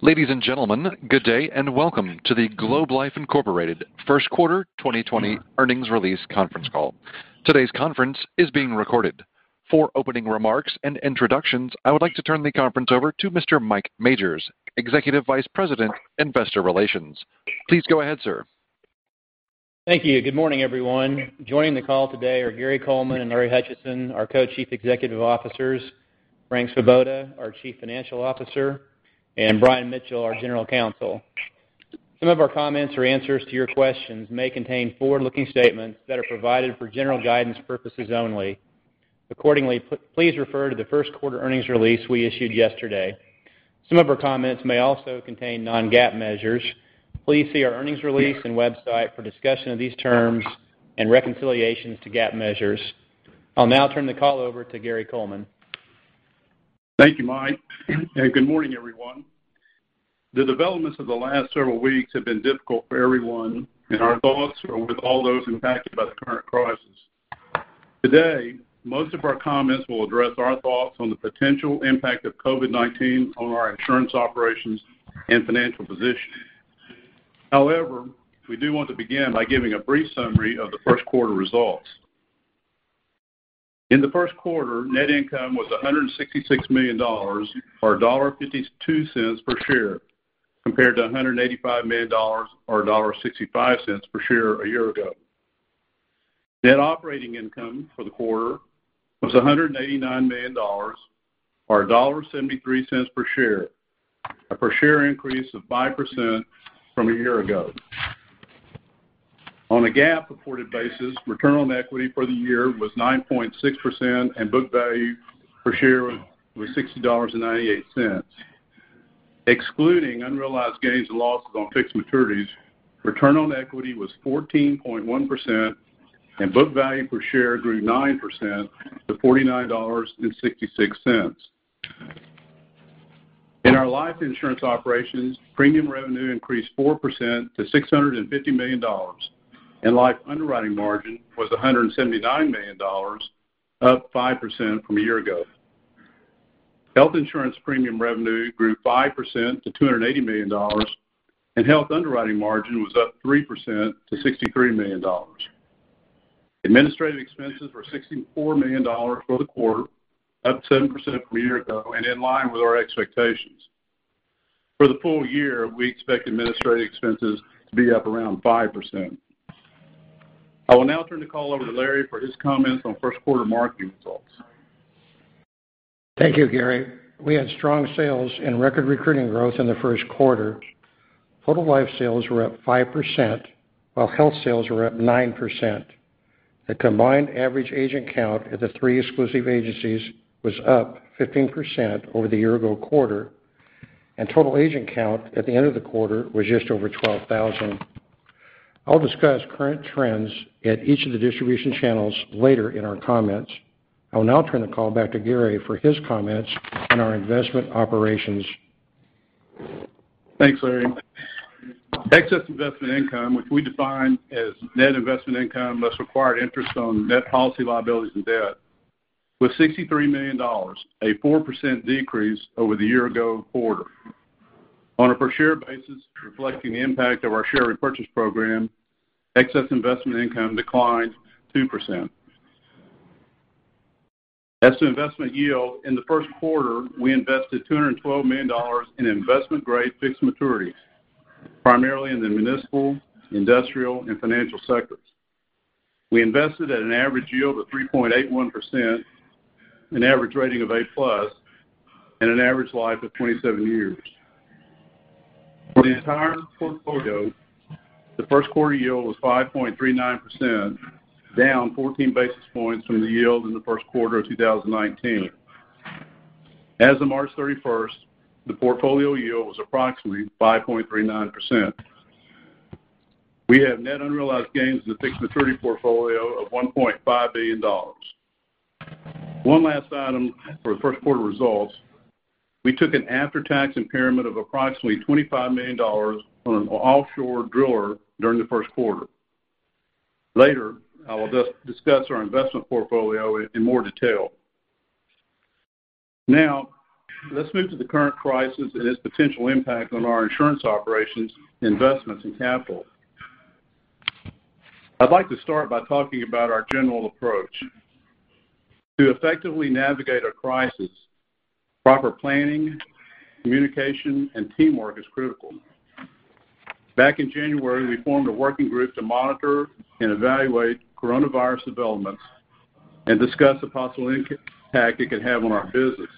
Ladies and gentlemen, good day, and welcome to the Globe Life Incorporated first quarter 2020 earnings release conference call. Today's conference is being recorded. For opening remarks and introductions, I would like to turn the conference over to Mr. Mike Majors, Executive Vice President, Investor Relations. Please go ahead, sir. Thank you. Good morning, everyone. Joining the call today are Gary Coleman and Larry Hutchison, our Co-Chief Executive Officers, Frank Svoboda, our Chief Financial Officer, and Brian Mitchell, our General Counsel. Some of our comments or answers to your questions may contain forward-looking statements that are provided for general guidance purposes only. Please refer to the first quarter earnings release we issued yesterday. Some of our comments may also contain non-GAAP measures. Please see our earnings release and website for discussion of these terms and reconciliations to GAAP measures. I'll now turn the call over to Gary Coleman. Thank you, Mike, and good morning, everyone. The developments of the last several weeks have been difficult for everyone, and our thoughts are with all those impacted by the current crisis. Today, most of our comments will address our thoughts on the potential impact of COVID-19 on our insurance operations and financial positioning. However, we do want to begin by giving a brief summary of the first quarter results. In the first quarter, net income was $166 million, or $1.52 per share, compared to $185 million, or $1.65 per share a year ago. Net operating income for the quarter was $189 million, or $1.73 per share, a per share increase of 5% from a year ago. On a GAAP-reported basis, return on equity for the year was 9.6%, and book value per share was $60.98. Excluding unrealized gains and losses on fixed maturities, return on equity was 14.1%, and book value per share grew 9% to $49.66. In our life insurance operations, premium revenue increased 4% to $650 million, and life underwriting margin was $179 million, up 5% from a year ago. Health insurance premium revenue grew 5% to $280 million, and health underwriting margin was up 3% to $63 million. Administrative expenses were $64 million for the quarter, up 7% from a year ago and in line with our expectations. For the full year, we expect administrative expenses to be up around 5%. I will now turn the call over to Larry for his comments on first quarter marketing results. Thank you, Gary. We had strong sales and record recruiting growth in the first quarter. Total life sales were up 5%, while health sales were up 9%. The combined average agent count at the three exclusive agencies was up 15% over the year-ago quarter, and total agent count at the end of the quarter was just over 12,000. I'll discuss current trends at each of the distribution channels later in our comments. I will now turn the call back to Gary for his comments on our investment operations. Thanks, Larry. Excess investment income, which we define as net investment income, less required interest on debt policy liabilities and debt, was $63 million, a 4% decrease over the year-ago quarter. On a per share basis, reflecting the impact of our share repurchase program, excess investment income declined 2%. As to investment yield, in the first quarter, we invested $212 million in investment-grade fixed maturities, primarily in the municipal, industrial, and financial sectors. We invested at an average yield of 3.81%, an average rating of A+, and an average life of 27 years. For the entire portfolio, the first quarter yield was 5.39%, down 14 basis points from the yield in the first quarter of 2019. As of March 31st, the portfolio yield was approximately 5.39%. We have net unrealized gains in the fixed maturity portfolio of $1.5 billion. One last item for the first quarter results, we took an after-tax impairment of approximately $25 million on an offshore driller during the first quarter. Later, I will discuss our investment portfolio in more detail. Now, let's move to the current crisis and its potential impact on our insurance operations, investments, and capital. I'd like to start by talking about our general approach. To effectively navigate a crisis, proper planning, communication, and teamwork is critical. Back in January, we formed a working group to monitor and evaluate coronavirus developments and discuss the possible impact it could have on our business.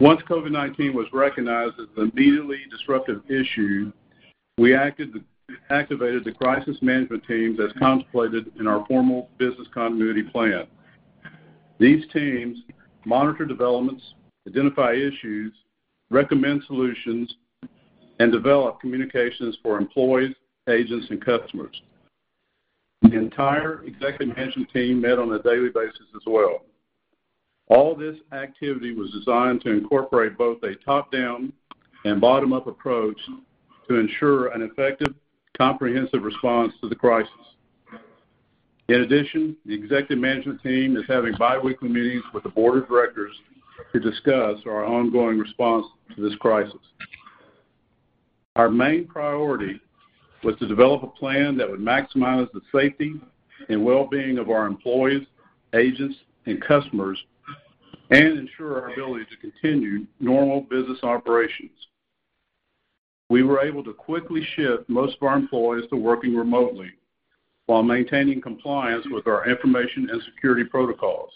Once COVID-19 was recognized as an immediately disruptive issue, we activated the crisis management teams as contemplated in our formal business continuity plan. These teams monitor developments, identify issues, recommend solutions, and develop communications for employees, agents, and customers. The entire executive management team met on a daily basis as well. All this activity was designed to incorporate both a top-down and bottom-up approach to ensure an effective, comprehensive response to the crisis. In addition, the Executive Management Team is having biweekly meetings with the Board of Directors to discuss our ongoing response to this crisis. Our main priority was to develop a plan that would maximize the safety and wellbeing of our employees, agents, and customers, and ensure our ability to continue normal business operations. We were able to quickly shift most of our employees to working remotely while maintaining compliance with our information and security protocols.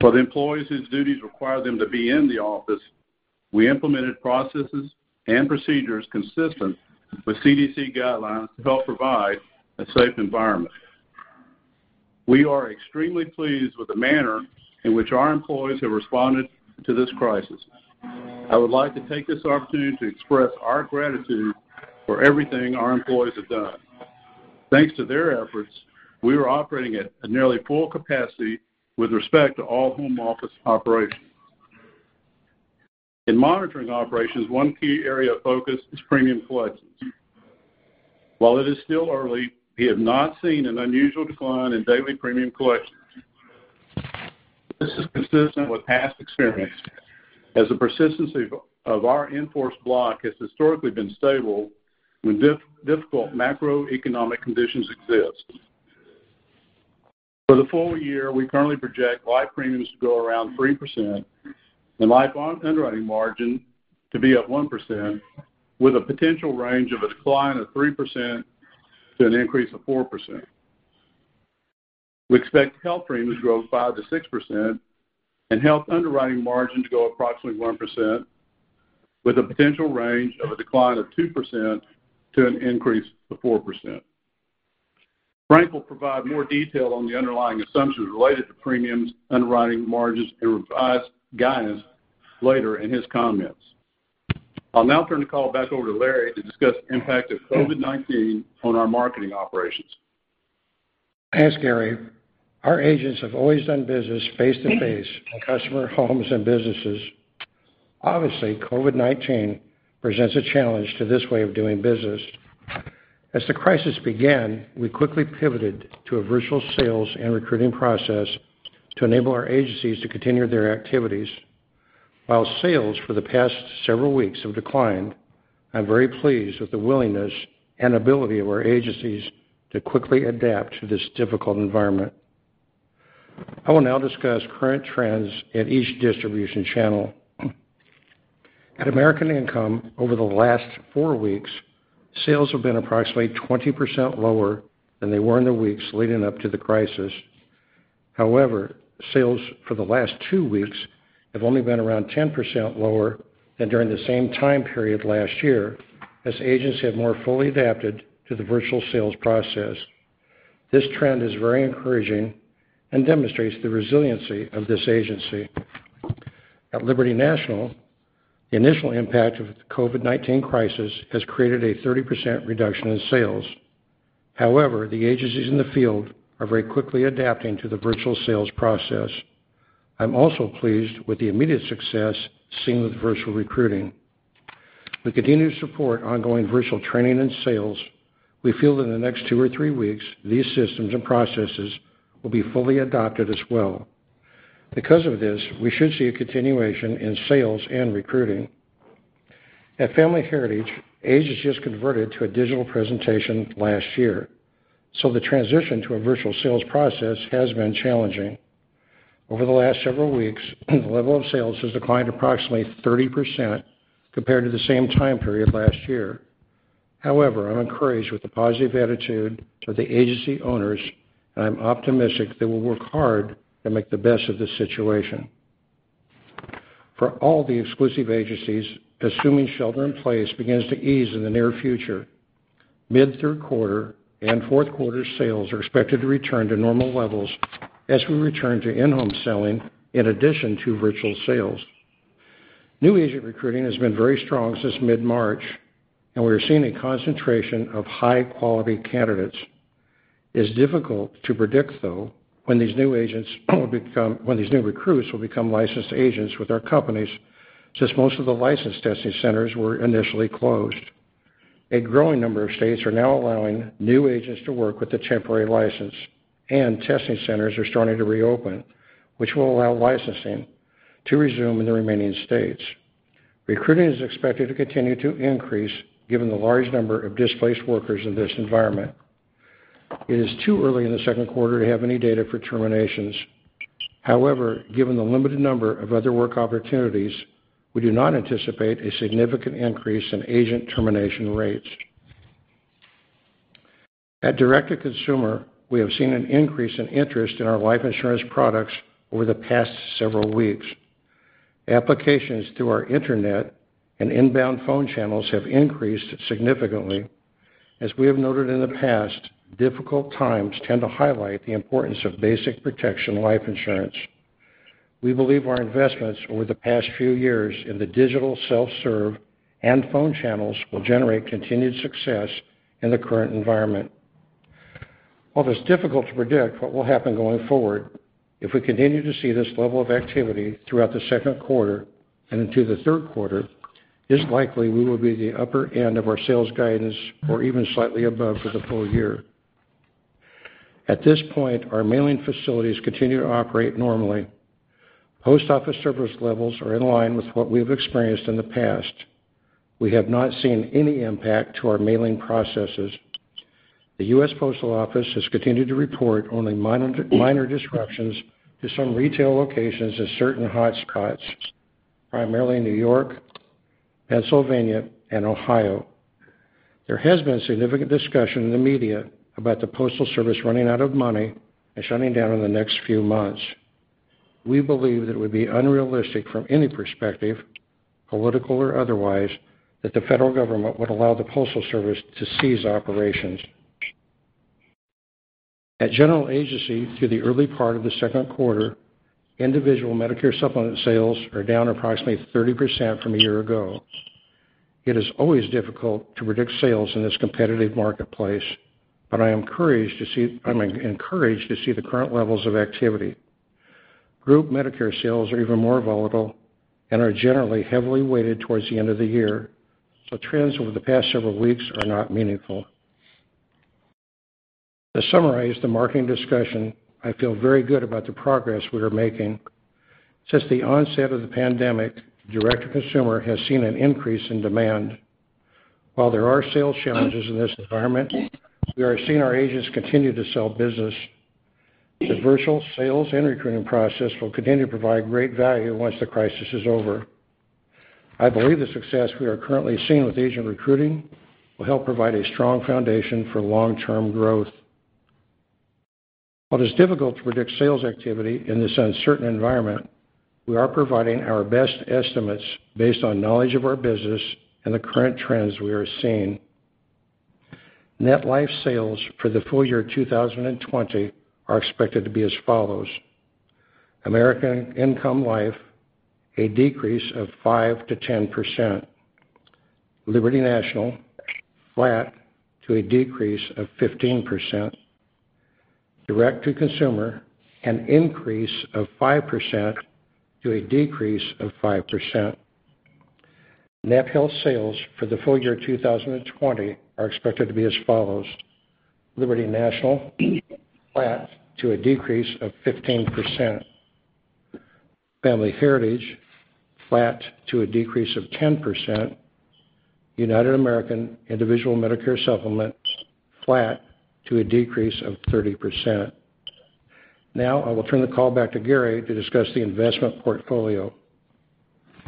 For the employees whose duties require them to be in the office, we implemented processes and procedures consistent with CDC guidelines to help provide a safe environment. We are extremely pleased with the manner in which our employees have responded to this crisis. I would like to take this opportunity to express our gratitude for everything our employees have done. Thanks to their efforts, we are operating at a nearly full capacity with respect to all home office operations. In monitoring operations, one key area of focus is premium collections. While it is still early, we have not seen an unusual decline in daily premium collections. This is consistent with past experience as the persistency of our in-force block has historically been stable when difficult macroeconomic conditions exist. For the full year, we currently project life premiums to grow around 3% and life underwriting margin to be up 1%, with a potential range of a decline of 3% to an increase of 4%. We expect health premiums to grow 5% to 6% and health underwriting margin to grow approximately 1%, with a potential range of a decline of 2% to an increase of 4%. Frank will provide more detail on the underlying assumptions related to premiums, underwriting margins, and revised guidance later in his comments. I'll now turn the call back over to Larry to discuss the impact of COVID-19 on our marketing operations. Thanks, Gary. Our agents have always done business face-to-face in customer homes and businesses. Obviously, COVID-19 presents a challenge to this way of doing business. As the crisis began, we quickly pivoted to a virtual sales and recruiting process to enable our agencies to continue their activities. While sales for the past several weeks have declined, I'm very pleased with the willingness and ability of our agencies to quickly adapt to this difficult environment. I will now discuss current trends in each distribution channel. At American Income, over the last four weeks, sales have been approximately 20% lower than they were in the weeks leading up to the crisis. However, sales for the last two weeks have only been around 10% lower than during the same time period last year, as agencies have more fully adapted to the virtual sales process. This trend is very encouraging and demonstrates the resiliency of this agency. At Liberty National, the initial impact of the COVID-19 crisis has created a 30% reduction in sales. However, the agencies in the field are very quickly adapting to the virtual sales process. I'm also pleased with the immediate success seen with virtual recruiting. We continue to support ongoing virtual training and sales. We feel that in the next two or three weeks, these systems and processes will be fully adopted as well. Because of this, we should see a continuation in sales and recruiting. At Family Heritage, agents just converted to a digital presentation last year, so the transition to a virtual sales process has been challenging. Over the last several weeks, the level of sales has declined approximately 30% compared to the same time period last year. However, I'm encouraged with the positive attitude of the agency owners, and I'm optimistic they will work hard to make the best of this situation. For all the exclusive agencies, assuming shelter-in-place begins to ease in the near future, mid-third quarter and fourth quarter sales are expected to return to normal levels as we return to in-home selling in addition to virtual sales. New agent recruiting has been very strong since mid-March, and we are seeing a concentration of high-quality candidates. It's difficult to predict, though, when these new recruits will become licensed agents with our companies, since most of the license testing centers were initially closed. A growing number of states are now allowing new agents to work with a temporary license, and testing centers are starting to re-open, which will allow licensing to resume in the remaining states. Recruiting is expected to continue to increase given the large number of displaced workers in this environment. It is too early in the second quarter to have any data for terminations. However, given the limited number of other work opportunities, we do not anticipate a significant increase in agent termination rates. At Direct-to-Consumer, we have seen an increase in interest in our life insurance products over the past several weeks. Applications through our internet and inbound phone channels have increased significantly. As we have noted in the past, difficult times tend to highlight the importance of basic protection life insurance. We believe our investments over the past few years in the digital self-serve and phone channels will generate continued success in the current environment. While it is difficult to predict what will happen going forward, if we continue to see this level of activity throughout the second quarter and into the third quarter, it's likely we will be at the upper end of our sales guidance or even slightly above for the full year. At this point, our mailing facilities continue to operate normally. Post office service levels are in line with what we've experienced in the past. We have not seen any impact to our mailing processes. The U.S. Postal Office has continued to report only minor disruptions to some retail locations at certain hot spots, primarily New York, Pennsylvania, and Ohio. There has been significant discussion in the media about the postal service running out of money and shutting down in the next few months. We believe that it would be unrealistic from any perspective, political or otherwise, that the federal government would allow the postal service to cease operations. At General Agency, through the early part of the second quarter, individual Medicare Supplement sales are down approximately 30% from a year ago. It is always difficult to predict sales in this competitive marketplace, but I am encouraged to see the current levels of activity. Group Medicare sales are even more volatile and are generally heavily weighted towards the end of the year, so trends over the past several weeks are not meaningful. To summarize the marketing discussion, I feel very good about the progress we are making. Since the onset of the pandemic, direct-to-consumer has seen an increase in demand. While there are sales challenges in this environment, we are seeing our agents continue to sell business. The virtual sales and recruiting process will continue to provide great value once the crisis is over. I believe the success we are currently seeing with agent recruiting will help provide a strong foundation for long-term growth. While it is difficult to predict sales activity in this uncertain environment, we are providing our best estimates based on knowledge of our business and the current trends we are seeing. Net life sales for the full year 2020 are expected to be as follows: American Income Life, a decrease of 5%-10%. Liberty National, flat to a decrease of 15%. Direct to Consumer, an increase of 5% to a decrease 5%. Net health sales for the full year 2020 are expected to be as follows: Liberty National, flat to a decrease of 15%. Family Heritage, flat to a decrease of 10%. United American Individual Medicare Supplement, flat to a decrease of 30%. I will turn the call back to Gary to discuss the investment portfolio.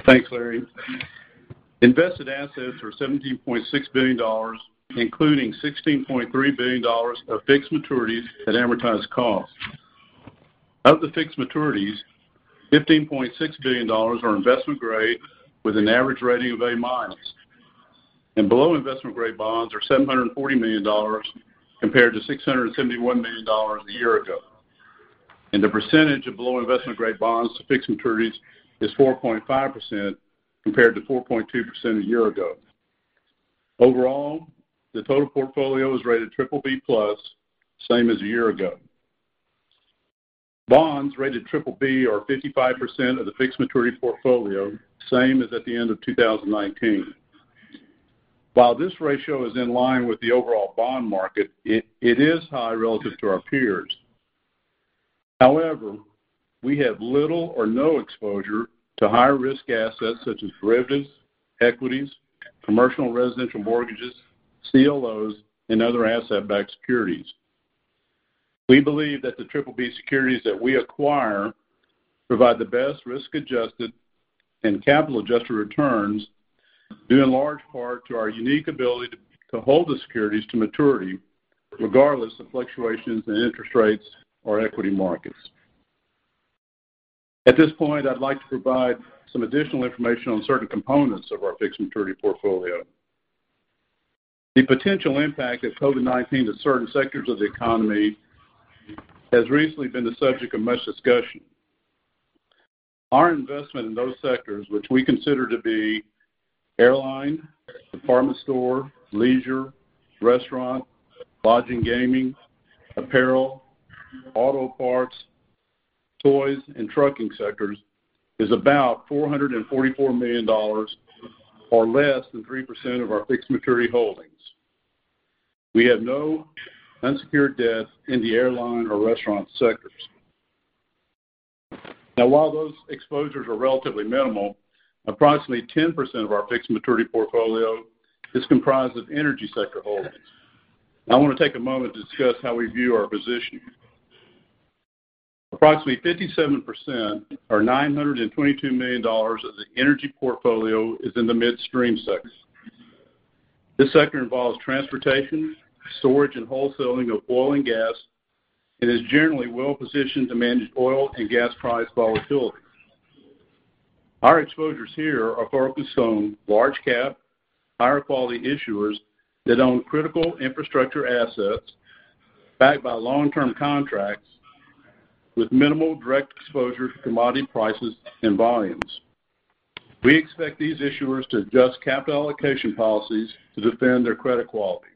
Thanks, Larry. Invested assets were $17.6 billion, including $16.3 billion of fixed maturities at amortized cost. Of the fixed maturities, $15.6 billion are investment grade with an average rating of A-, and below investment-grade bonds are $740 million compared to $671 million a year ago. The percentage of below investment-grade bonds to fixed maturities is 4.5% compared to 4.2% a year ago. Overall, the total portfolio is rated BBB+, same as a year ago. Bonds rated BBB are 55% of the fixed maturity portfolio, same as at the end of 2019. While this ratio is in line with the overall bond market, it is high relative to our peers. However, we have little or no exposure to higher-risk assets such as derivatives, equities, commercial and residential mortgages, CLOs, and other asset-backed securities. We believe that the BBB securities that we acquire provide the best risk-adjusted and capital-adjusted returns due in large part to our unique ability to hold the securities to maturity regardless of fluctuations in interest rates or equity markets. At this point, I'd like to provide some additional information on certain components of our fixed maturity portfolio. The potential impact of COVID-19 to certain sectors of the economy has recently been the subject of much discussion. Our investment in those sectors, which we consider to be airline, pharma store, leisure, restaurant, lodging, gaming, apparel, auto parts, toys, and trucking sectors, is about $444 million or less than 3% of our fixed maturity holdings. We have no unsecured debt in the airline or restaurant sectors. Now while those exposures are relatively minimal, approximately 10% of our fixed maturity portfolio is comprised of energy sector holdings. I want to take a moment to discuss how we view our position. Approximately 57% or $922 million of the energy portfolio is in the midstream sector. This sector involves transportation, storage, and wholesaling of oil and gas and is generally well-positioned to manage oil and gas price volatility. Our exposures here are focused on large-cap, higher quality issuers that own critical infrastructure assets backed by long-term contracts with minimal direct exposure to commodity prices and volumes. We expect these issuers to adjust capital allocation policies to defend their credit quality.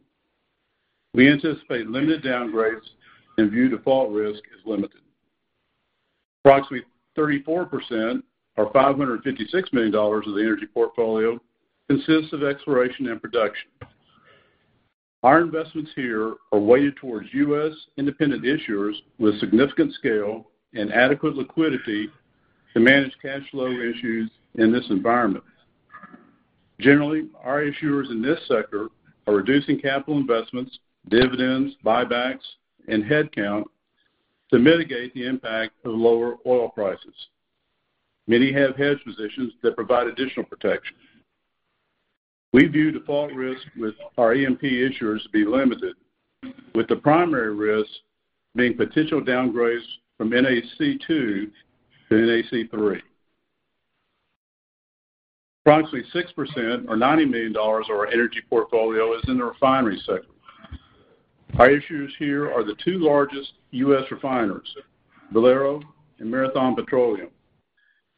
We anticipate limited downgrades and view default risk as limited. Approximately 34%, or $556 million of the energy portfolio consists of exploration and production. Our investments here are weighted towards U.S. independent issuers with significant scale and adequate liquidity to manage cash flow issues in this environment. Generally, our issuers in this sector are reducing capital investments, dividends, buybacks, and headcount to mitigate the impact of lower oil prices. Many have hedge positions that provide additional protection. We view default risk with our E&P issuers to be limited, with the primary risk being potential downgrades from NAIC 2 to NAIC 3. Approximately 6%, or $90 million of our energy portfolio is in the refinery sector. Our issuers here are the two largest U.S. refiners, Valero and Marathon Petroleum,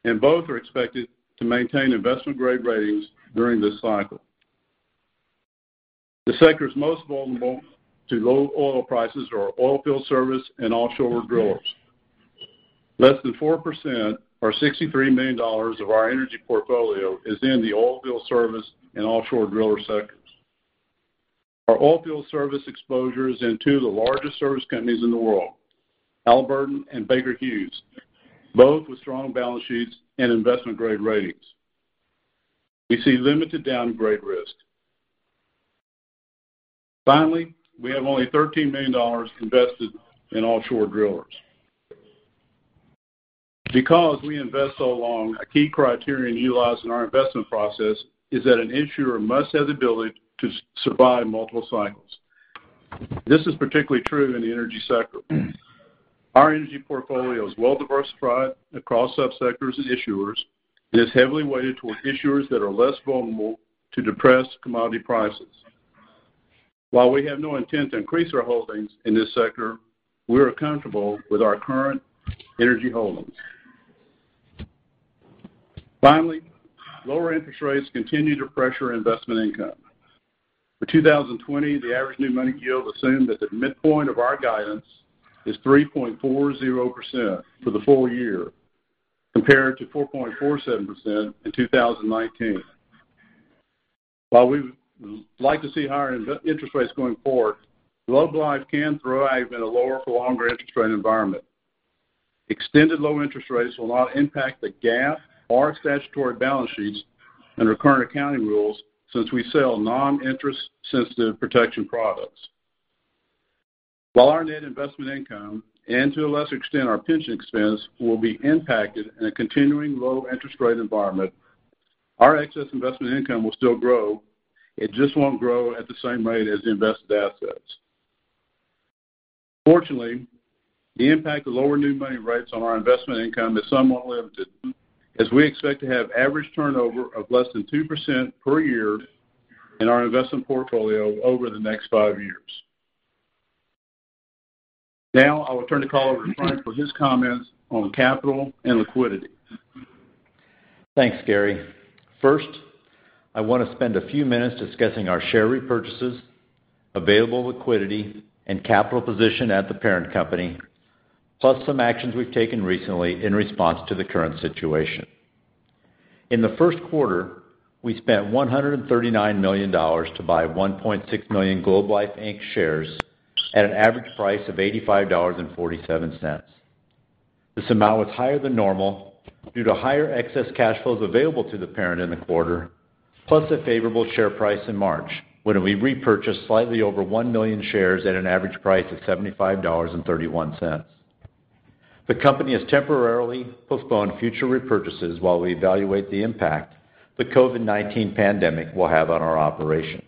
and both are expected to maintain investment-grade ratings during this cycle. The sectors most vulnerable to low oil prices are oilfield service and offshore drillers. Less than 4%, or $63 million of our energy portfolio is in the oilfield service and offshore driller sectors. Our oilfield service exposure is in two of the largest service companies in the world, Halliburton and Baker Hughes, both with strong balance sheets and investment-grade ratings. We see limited downgrade risk. Finally, we have only $13 million invested in offshore drillers. Because we invest so long, a key criterion utilized in our investment process is that an issuer must have the ability to survive multiple cycles. This is particularly true in the energy sector. Our energy portfolio is well-diversified across sub-sectors and issuers, and is heavily weighted towards issuers that are less vulnerable to depressed commodity prices. While we have no intent to increase our holdings in this sector, we are comfortable with our current energy holdings. Finally, lower interest rates continue to pressure investment income. For 2020, the average new money yield assumed at the midpoint of our guidance is 3.40% for the full year, compared to 4.47% in 2019. While we would like to see higher interest rates going forward, Globe Life can thrive in a lower for longer interest rate environment. Extended low interest rates will not impact the GAAP or statutory balance sheets under current accounting rules since we sell non-interest sensitive protection products. While our net investment income, and to a lesser extent our pension expense will be impacted in a continuing low interest rate environment, our excess investment income will still grow. It just won't grow at the same rate as the invested assets. Fortunately, the impact of lower new money rates on our investment income is somewhat limited, as we expect to have average turnover of less than 2% per year in our investment portfolio over the next five years. Now I will turn the call over to Frank for his comments on capital and liquidity. Thanks, Gary. First, I want to spend a few minutes discussing our share repurchases, available liquidity, and capital position at the parent company, plus some actions we've taken recently in response to the current situation. In the first quarter, we spent $139 million to buy 1.6 million Globe Life Inc shares at an average price of $85.47. This amount was higher than normal due to higher excess cash flows available to the parent in the quarter, plus a favorable share price in March when we repurchased slightly over 1 million shares at an average price of $75.31. The company has temporarily postponed future repurchases while we evaluate the impact the COVID-19 pandemic will have on our operations.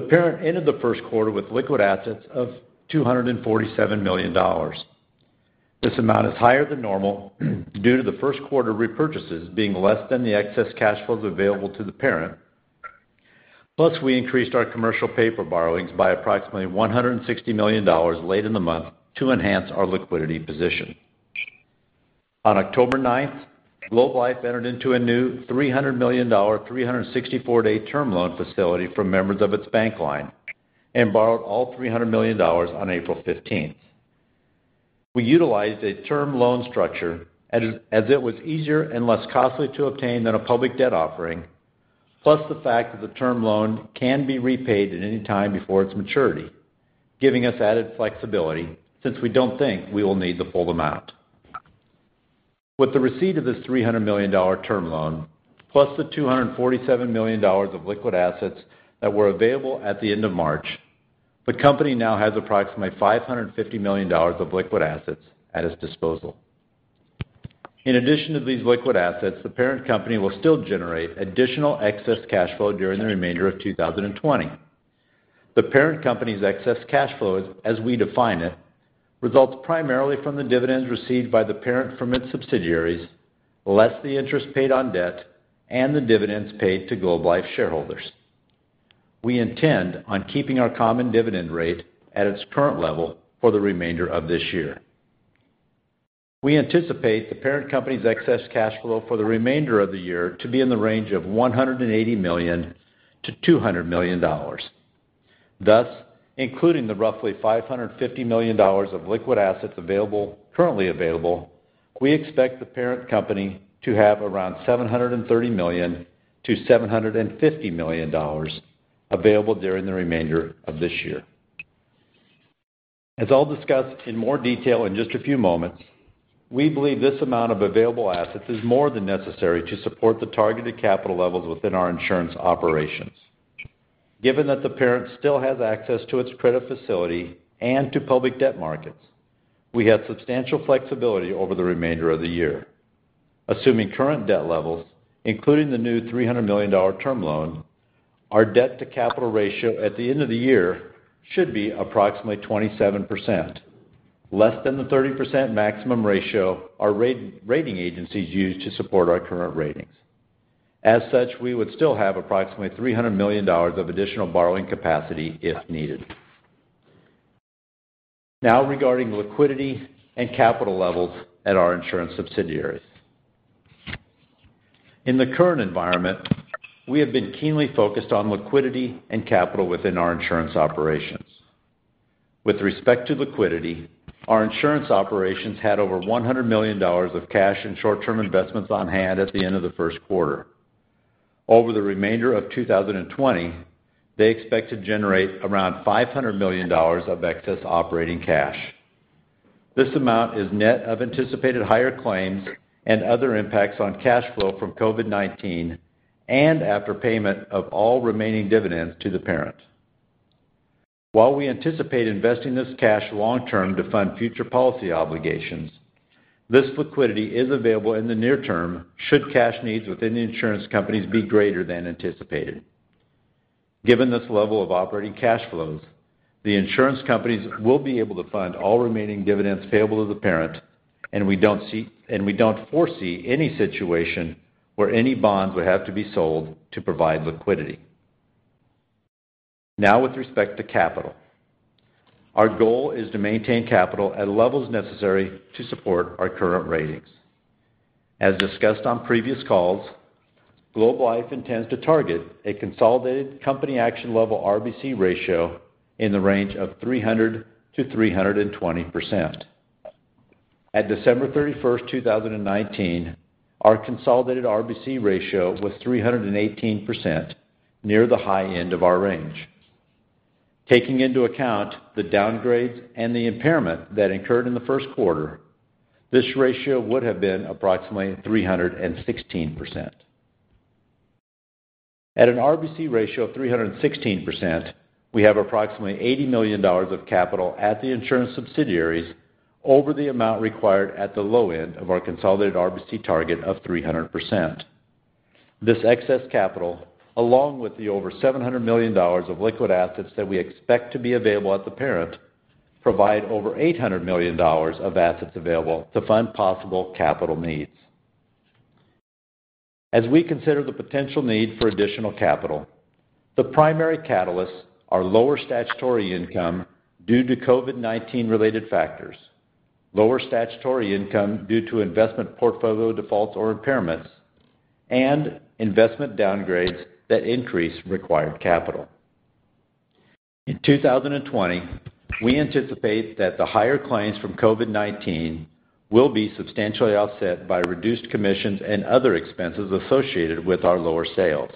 The parent ended the first quarter with liquid assets of $247 million. This amount is higher than normal due to the first quarter repurchases being less than the excess cash flows available to the parent, plus we increased our commercial paper borrowings by approximately $160 million late in the month to enhance our liquidity position. On October 9th, Globe Life entered into a new $300 million 364-day term loan facility from members of its bank line and borrowed all $300 million on April 15th. We utilized a term loan structure as it was easier and less costly to obtain than a public debt offering, plus the fact that the term loan can be repaid at any time before its maturity, giving us added flexibility since we don't think we will need the full amount. With the receipt of this $300 million term loan, plus the $247 million of liquid assets that were available at the end of March, the company now has approximately $550 million of liquid assets at its disposal. In addition to these liquid assets, the parent company will still generate additional excess cash flow during the remainder of 2020. The parent company's excess cash flow, as we define it, results primarily from the dividends received by the parent from its subsidiaries, less the interest paid on debt and the dividends paid to Globe Life shareholders. We intend on keeping our common dividend rate at its current level for the remainder of this year. We anticipate the parent company's excess cash flow for the remainder of the year to be in the range of $180 million-$200 million. Thus, including the roughly $550 million of liquid assets currently available, we expect the parent company to have around $730 million-$750 million available during the remainder of this year. As I'll discuss in more detail in just a few moments, we believe this amount of available assets is more than necessary to support the targeted capital levels within our insurance operations. Given that the parent still has access to its credit facility and to public debt markets, we have substantial flexibility over the remainder of the year. Assuming current debt levels, including the new $300 million term loan, our debt to capital ratio at the end of the year should be approximately 27%, less than the 30% maximum ratio our rating agencies use to support our current ratings. As such, we would still have approximately $300 million of additional borrowing capacity if needed. Now, regarding liquidity and capital levels at our insurance subsidiaries. In the current environment, we have been keenly focused on liquidity and capital within our insurance operations. With respect to liquidity, our insurance operations had over $100 million of cash and short-term investments on hand at the end of the first quarter. Over the remainder of 2020, they expect to generate around $500 million of excess operating cash. This amount is net of anticipated higher claims and other impacts on cash flow from COVID-19, and after payment of all remaining dividends to the parent. While we anticipate investing this cash long-term to fund future policy obligations, this liquidity is available in the near term should cash needs within the insurance companies be greater than anticipated. Given this level of operating cash flows, the insurance companies will be able to fund all remaining dividends payable to the parent, and we don't foresee any situation where any bonds would have to be sold to provide liquidity. Now with respect to capital. Our goal is to maintain capital at levels necessary to support our current ratings. As discussed on previous calls, Globe Life intends to target a consolidated company action level RBC ratio in the range of 300%-320%. At December 31st, 2019, our consolidated RBC ratio was 318%, near the high end of our range. Taking into account the downgrades and the impairment that incurred in the first quarter, this ratio would have been approximately 316%. At an RBC ratio of 316%, we have approximately $80 million of capital at the insurance subsidiaries over the amount required at the low end of our consolidated RBC target of 300%. This excess capital, along with the over $700 million of liquid assets that we expect to be available at the parent, provide over $800 million of assets available to fund possible capital needs. As we consider the potential need for additional capital, the primary catalysts are lower statutory income due to COVID-19 related factors, lower statutory income due to investment portfolio defaults or impairments, and investment downgrades that increase required capital. In 2020, we anticipate that the higher claims from COVID-19 will be substantially offset by reduced commissions and other expenses associated with our lower sales.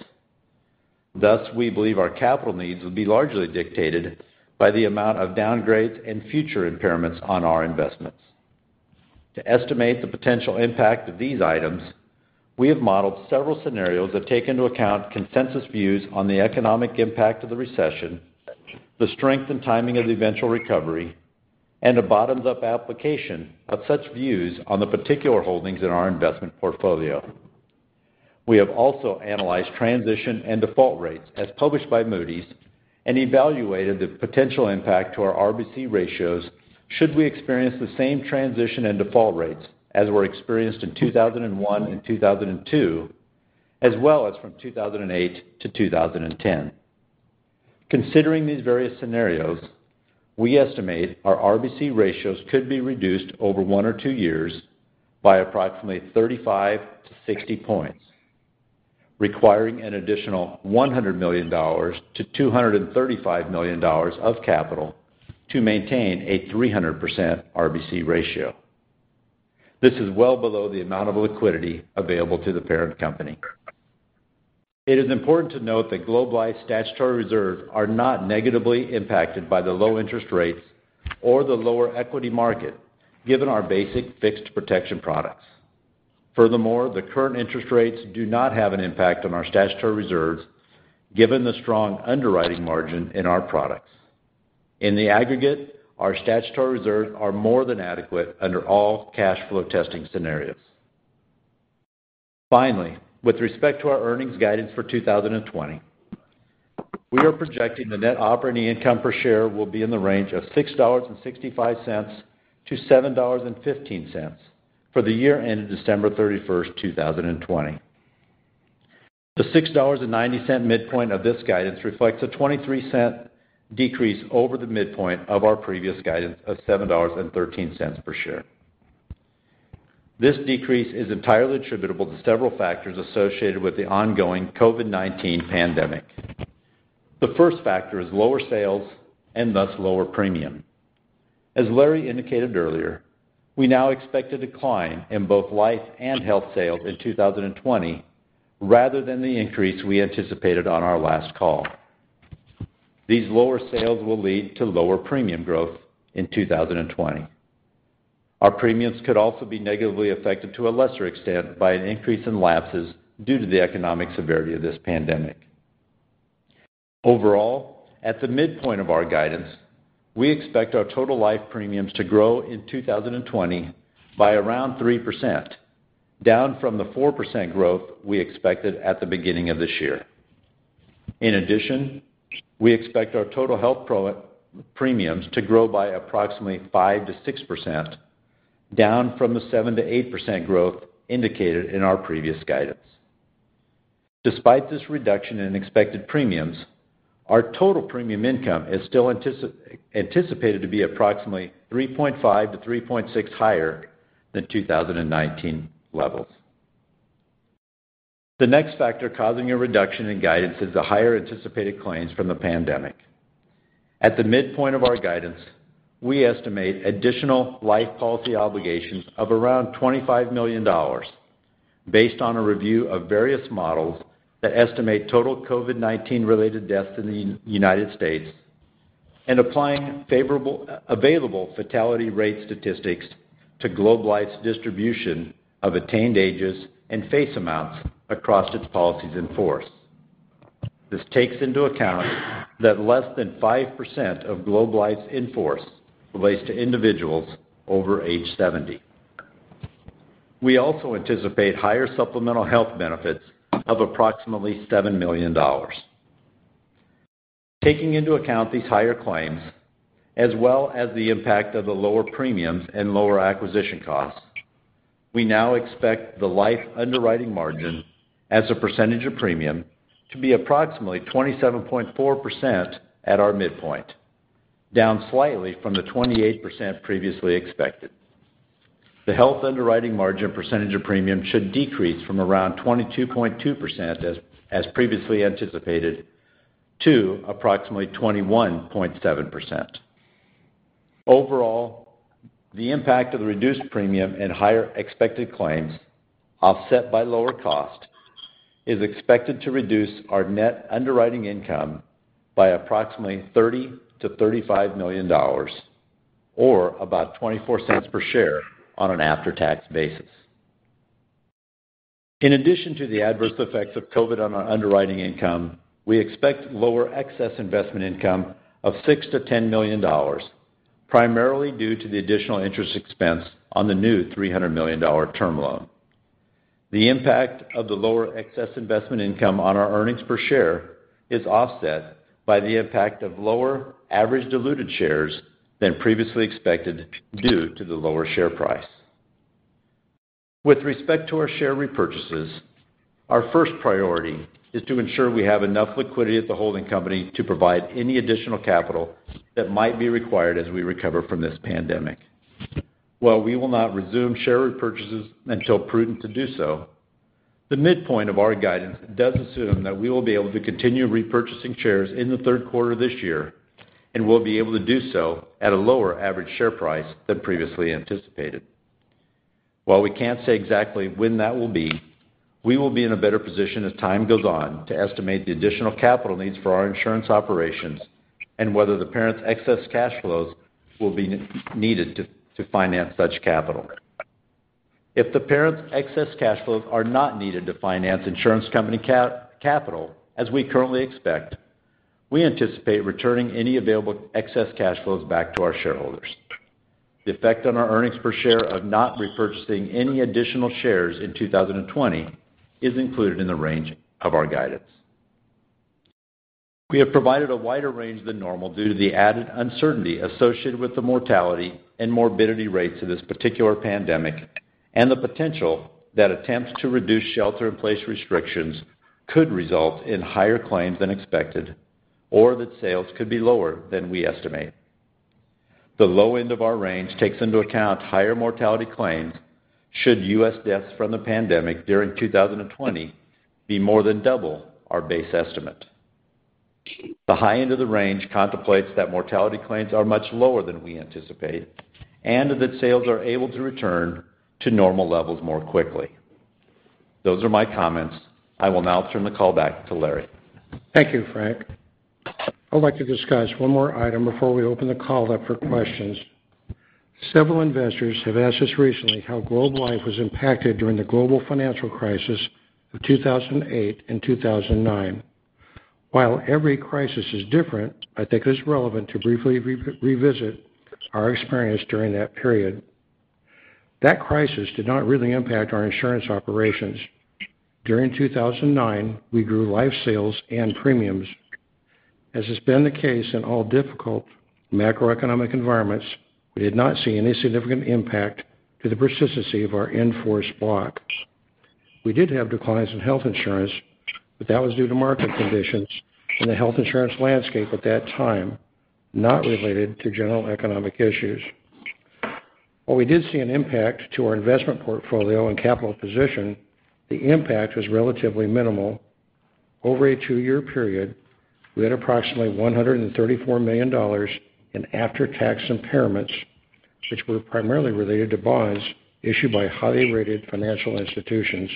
Thus, we believe our capital needs will be largely dictated by the amount of downgrades and future impairments on our investments. To estimate the potential impact of these items, we have modeled several scenarios that take into account consensus views on the economic impact of the recession, the strength and timing of the eventual recovery, and a bottoms-up application of such views on the particular holdings in our investment portfolio. We have also analyzed transition and default rates as published by Moody's and evaluated the potential impact to our RBC ratios should we experience the same transition and default rates as were experienced in 2001 and 2002, as well as from 2008-2010. Considering these various scenarios, we estimate our RBC ratios could be reduced over one or two years by approximately 35-60 points, requiring an additional $100 million-$235 million of capital to maintain a 300% RBC ratio. This is well below the amount of liquidity available to the parent company. It is important to note that Globe Life statutory reserves are not negatively impacted by the low interest rates or the lower equity market, given our basic fixed protection products. Furthermore, the current interest rates do not have an impact on our statutory reserves, given the strong underwriting margin in our products. In the aggregate, our statutory reserves are more than adequate under all cash flow testing scenarios. Finally, with respect to our earnings guidance for 2020, we are projecting the net operating income per share will be in the range of $6.65-$7.15 for the year ended December 31st, 2020. The $6.90 midpoint of this guidance reflects a $0.23 cent decrease over the midpoint of our previous guidance of $7.13 per share. This decrease is entirely attributable to several factors associated with the ongoing COVID-19 pandemic. The first factor is lower sales, and thus lower premium. As Larry indicated earlier, we now expect a decline in both life and health sales in 2020, rather than the increase we anticipated on our last call. These lower sales will lead to lower premium growth in 2020. Our premiums could also be negatively affected to a lesser extent by an increase in lapses due to the economic severity of this pandemic. Overall, at the midpoint of our guidance, we expect our total life premiums to grow in 2020 by around 3%, down from the 4% growth we expected at the beginning of this year. In addition, we expect our total health premiums to grow by approximately 5%-6%, down from the 7%-8% growth indicated in our previous guidance. Despite this reduction in expected premiums, our total premium income is still anticipated to be approximately 3.5%-3.6% higher than 2019 levels. The next factor causing a reduction in guidance is the higher anticipated claims from the pandemic. At the midpoint of our guidance, we estimate additional life policy obligations of around $25 million based on a review of various models that estimate total COVID-19 related deaths in the United States and applying available fatality rate statistics to Globe Life's distribution of attained ages and face amounts across its policies in force. This takes into account that less than 5% of Globe Life's in-force relates to individuals over age 70. We also anticipate higher supplemental health benefits of approximately $7 million. Taking into account these higher claims, as well as the impact of the lower premiums and lower acquisition costs, we now expect the life underwriting margin as a percentage of premium to be approximately 27.4% at our midpoint, down slightly from the 28% previously expected. The health underwriting margin percentage of premium should decrease from around 22.2% as previously anticipated to approximately 21.7%. Overall, the impact of the reduced premium and higher expected claims offset by lower cost is expected to reduce our net underwriting income by approximately $30 million-$35 million, or about $0.24 per share on an after-tax basis. In addition to the adverse effects of COVID on our underwriting income, we expect lower excess investment income of $6 million-$10 million, primarily due to the additional interest expense on the new $300 million term loan. The impact of the lower excess investment income on our earnings per share is offset by the impact of lower average diluted shares than previously expected due to the lower share price. With respect to our share repurchases, our first priority is to ensure we have enough liquidity at the holding company to provide any additional capital that might be required as we recover from this pandemic. While we will not resume share repurchases until prudent to do so, the midpoint of our guidance does assume that we will be able to continue repurchasing shares in the third quarter of this year and will be able to do so at a lower average share price than previously anticipated. While we can't say exactly when that will be, we will be in a better position as time goes on to estimate the additional capital needs for our insurance operations and whether the parent's excess cash flows will be needed to finance such capital. If the parent's excess cash flows are not needed to finance insurance company capital, as we currently expect, we anticipate returning any available excess cash flows back to our shareholders. The effect on our earnings per share of not repurchasing any additional shares in 2020 is included in the range of our guidance. We have provided a wider range than normal due to the added uncertainty associated with the mortality and morbidity rates of this particular pandemic and the potential that attempts to reduce shelter-in-place restrictions could result in higher claims than expected or that sales could be lower than we estimate. The low end of our range takes into account higher mortality claims should U.S. deaths from the pandemic during 2020 be more than double our base estimate. The high end of the range contemplates that mortality claims are much lower than we anticipate and that sales are able to return to normal levels more quickly. Those are my comments. I will now turn the call back to Larry. Thank you, Frank. I would like to discuss one more item before we open the call up for questions. Several investors have asked us recently how Globe Life was impacted during the global financial crisis of 2008 and 2009. While every crisis is different, I think it's relevant to briefly revisit our experience during that period. That crisis did not really impact our insurance operations. During 2009, we grew life sales and premiums. As has been the case in all difficult macroeconomic environments, we did not see any significant impact to the persistency of our in-force block. We did have declines in health insurance, but that was due to market conditions in the health insurance landscape at that time, not related to general economic issues. While we did see an impact to our investment portfolio and capital position, the impact was relatively minimal. Over a two-year period, we had approximately $134 million in after-tax impairments, which were primarily related to bonds issued by highly rated financial institutions.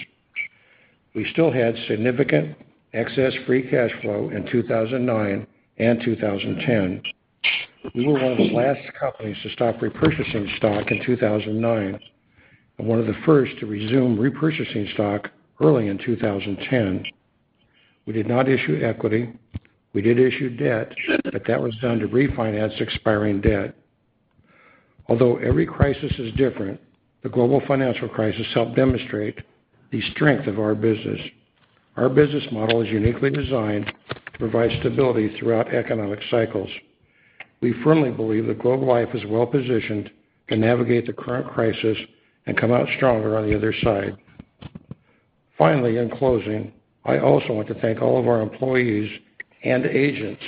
We still had significant excess free cash flow in 2009 and 2010. We were one of the last companies to stop repurchasing stock in 2009, and one of the first to resume repurchasing stock early in 2010. We did not issue equity. We did issue debt, but that was done to refinance expiring debt. Although every crisis is different, the global financial crisis helped demonstrate the strength of our business. Our business model is uniquely designed to provide stability throughout economic cycles. We firmly believe that Globe Life is well positioned to navigate the current crisis and come out stronger on the other side. Finally, in closing, I also want to thank all of our employees and agents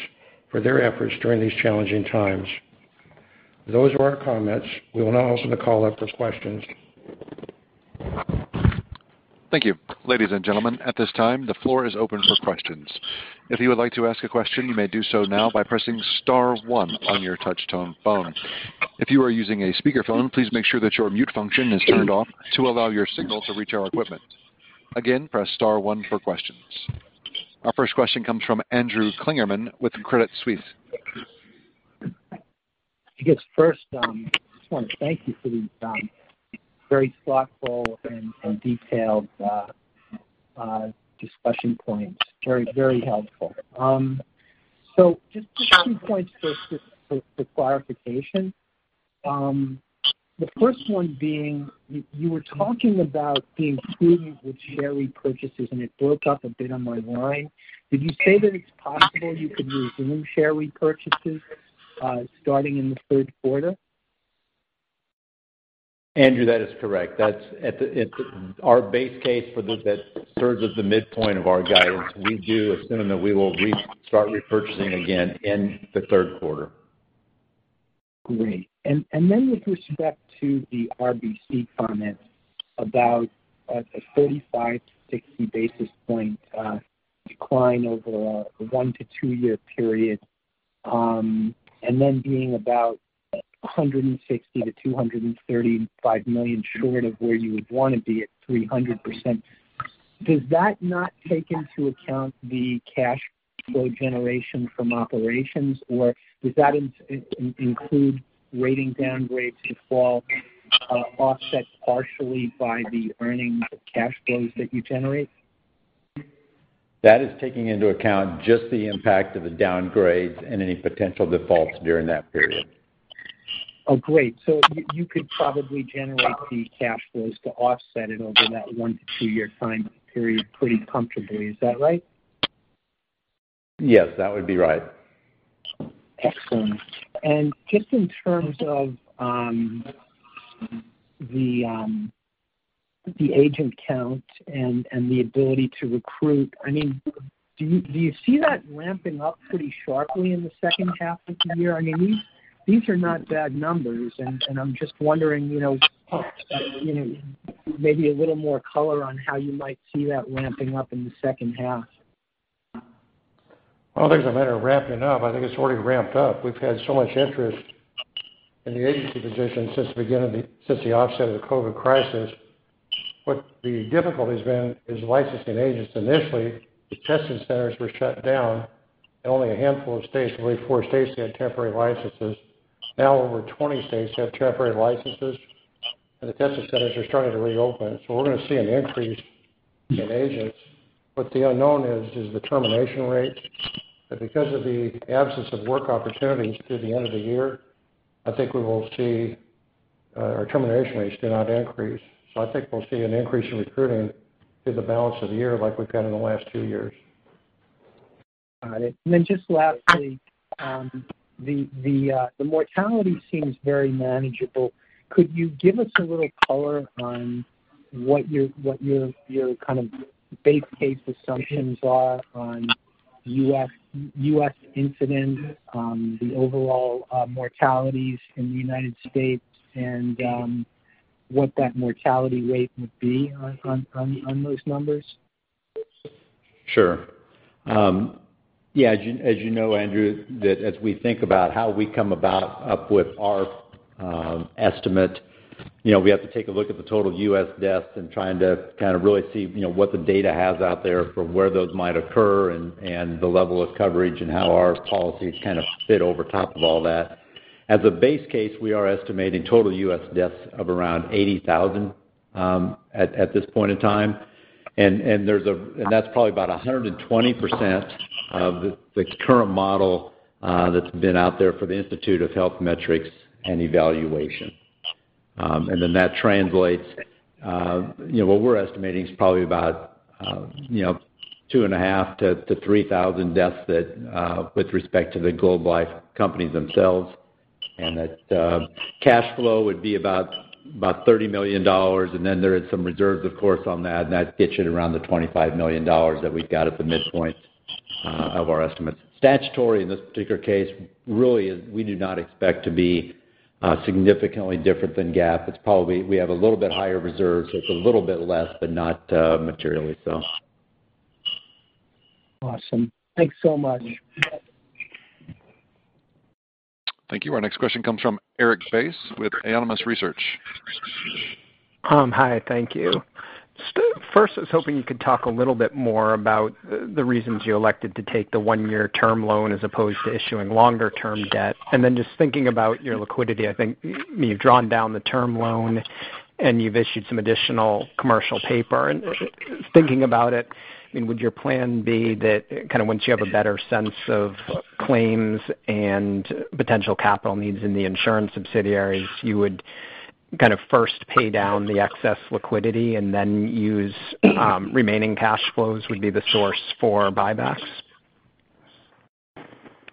for their efforts during these challenging times. Those are our comments. We will now open the call up for questions. Thank you. Ladies and gentlemen, at this time, the floor is open for questions. If you would like to ask a question, you may do so now by pressing star one on your touch-tone phone. If you are using a speakerphone, please make sure that your mute function is turned off to allow your signal to reach our equipment. Again, press star one for questions. Our first question comes from Andrew Kligerman with Credit Suisse. I guess first, I just want to thank you for these very thoughtful and detailed discussion points. Very helpful. Just two key points first just for clarification. The first one being, you were talking about being prudent with share repurchases, and it broke up a bit on my line. Did you say that it's possible you could resume share repurchases starting in the third quarter? Andrew, that is correct. Our base case for this, is that serves as the midpoint of our guidance, we do assume that we will start repurchasing again in the third quarter. Great. Then with respect to the RBC comment about a 35-60 basis point decline over a one to two-year period, and then being about $160 million-$235 million short of where you would want to be at 300%. Does that not take into account the cash flow generation from operations, or does that include rating downgrades default, offset partially by the earnings of cash flows that you generate? That is taking into account just the impact of the downgrades and any potential defaults during that period. Oh, great. You could probably generate the cash flows to offset it over that one to two-year time period pretty comfortably. Is that right? Yes, that would be right. Excellent. Just in terms of the agent count and the ability to recruit, do you see that ramping up pretty sharply in the second half of the year? These are not bad numbers, and I'm just wondering, maybe a little more color on how you might see that ramping up in the second half. I don't think it's a matter of ramping up. I think it's already ramped up. We've had so much interest in the agency position since the offset of the COVID crisis. What the difficulty has been is licensing agents. Initially, the testing centers were shut down, and only a handful of states, I believe four states, had temporary licenses. Now over 20 states have temporary licenses, and the testing centers are starting to reopen. We're going to see an increase in agents. What the unknown is the termination rate. Because of the absence of work opportunities through the end of the year, I think we will see our termination rates do not increase. I think we'll see an increase in recruiting through the balance of the year like we've had in the last two years. Got it. just lastly, the mortality seems very manageable. Could you give us a little color on what your kind of base case assumptions are on U.S. incidence, the overall mortalities in the United States, and what that mortality rate would be on those numbers? Sure. As you know, Andrew, that as we think about how we come about up with our estimate, we have to take a look at the total U.S. deaths and trying to kind of really see what the data has out there for where those might occur and the level of coverage and how our policies kind of fit over top of all that. As a base case, we are estimating total U.S. deaths of around 80,000 at this point in time, and that's probably about 120% of the current model that's been out there for the Institute for Health Metrics and Evaluation. Then that translates, what we're estimating is probably about 2,500-3,000 deaths with respect to the Globe Life companies themselves. The cash flow would be about $30 million, and then there is some reserves, of course, on that, and that gets you at around the $25 million that we've got at the midpoint of our estimates. Statutory, in this particular case, really, we do not expect to be significantly different than GAAP. We have a little bit higher reserves, so it's a little bit less, but not materially so. Awesome. Thanks so much. Thank you. Our next question comes from Erik Bass with Autonomous Research. Hi, thank you. First, I was hoping you could talk a little bit more about the reasons you elected to take the one-year term loan as opposed to issuing longer-term debt. Just thinking about your liquidity, I think you've drawn down the term loan, and you've issued some additional commercial paper. Thinking about it, would your plan be that once you have a better sense of claims and potential capital needs in the insurance subsidiaries, you would first pay down the excess liquidity and then remaining cash flows would be the source for buybacks?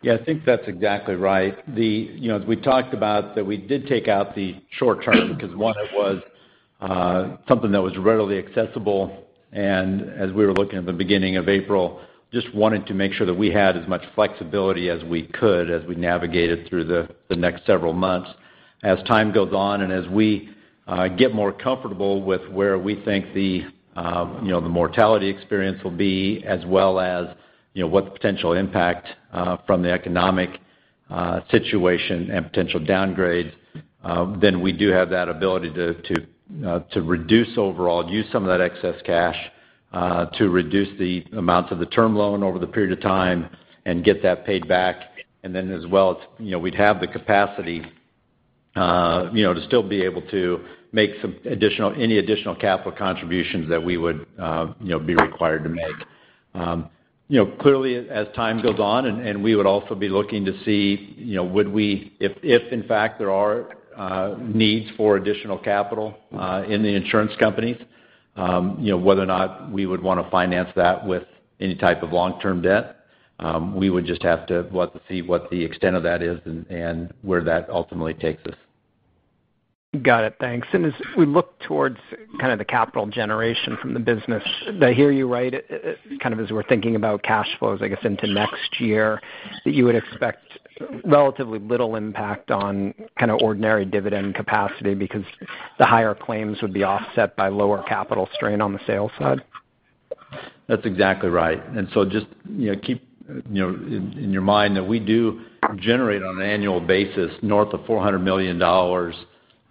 Yeah, I think that's exactly right. As we talked about, that we did take out the short term because, one, it was something that was readily accessible, and as we were looking at the beginning of April, just wanted to make sure that we had as much flexibility as we could as we navigated through the next several months. As time goes on, and as we get more comfortable with where we think the mortality experience will be, as well as what the potential impact from the economic situation and potential downgrade, then we do have that ability to reduce overall, use some of that excess cash to reduce the amounts of the term loan over the period of time and get that paid back, and then as well, we'd have the capacity to still be able to make any additional capital contributions that we would be required to make. Clearly, as time goes on, and we would also be looking to see, if in fact there are needs for additional capital in the insurance companies, whether or not we would want to finance that with any type of long-term debt. We would just have to see what the extent of that is and where that ultimately takes us. Got it. Thanks. As we look towards the capital generation from the business, did I hear you right, as we're thinking about cash flows, I guess, into next year, that you would expect relatively little impact on ordinary dividend capacity because the higher claims would be offset by lower capital strain on the sales side? That's exactly right. Just keep in your mind that we do generate on an annual basis north of $400 million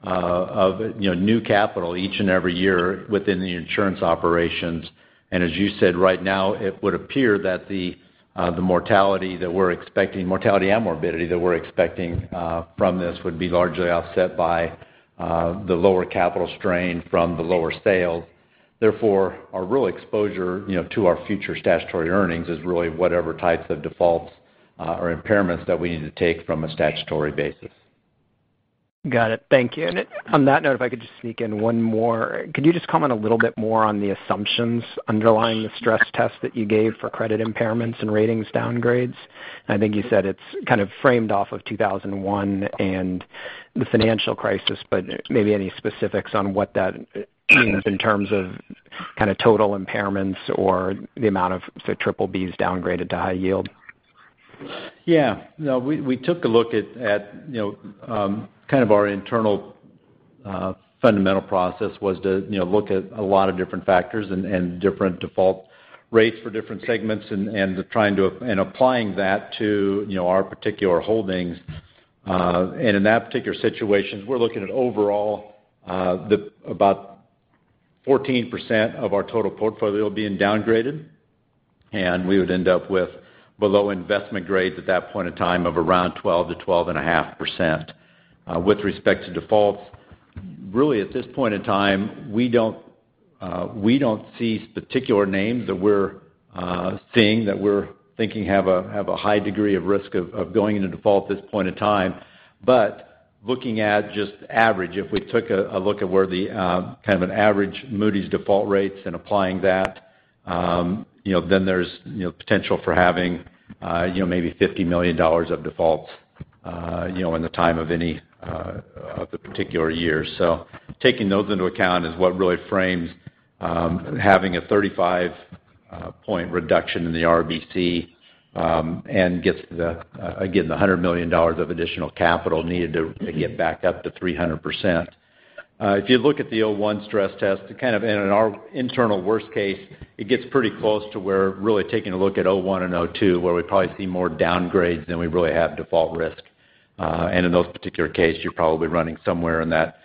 of new capital each and every year within the insurance operations. as you said, right now, it would appear that the mortality and morbidity that we're expecting from this would be largely offset by the lower capital strain from the lower sales. Therefore, our real exposure to our future statutory earnings is really whatever types of defaults or impairments that we need to take from a statutory basis. Got it. Thank you. On that note, if I could just sneak in one more. Could you just comment a little bit more on the assumptions underlying the stress test that you gave for credit impairments and ratings downgrades? I think you said it's kind of framed off of 2001 and the financial crisis, but maybe any specifics on what that means in terms of total impairments or the amount of BBBs downgraded to high yield? Yeah. We took a look at, our internal fundamental process was to look at a lot of different factors and different default rates for different segments and applying that to our particular holdings. In that particular situation, we're looking at overall about 14% of our total portfolio being downgraded, and we would end up with below investment grades at that point of time of around 12.00%-12.50%. With respect to defaults, really at this point in time, we don't see particular names that we're seeing that we're thinking have a high degree of risk of going into default at this point in time, but looking at just average, if we took a look at where the kind of an average Moody's default rates and applying that, then there's potential for having maybe $50 million of defaults in the time of any of the particular years. Taking those into account is what really frames having a 35-point reduction in the RBC, and gets the, again, the $100 million of additional capital needed to get back up to 300%. If you look at the 2001 stress test, kind of in our internal worst case, it gets pretty close to where really taking a look at 2001 and 2002, where we probably see more downgrades than we really have default risk. in those particular case, you're probably running somewhere in that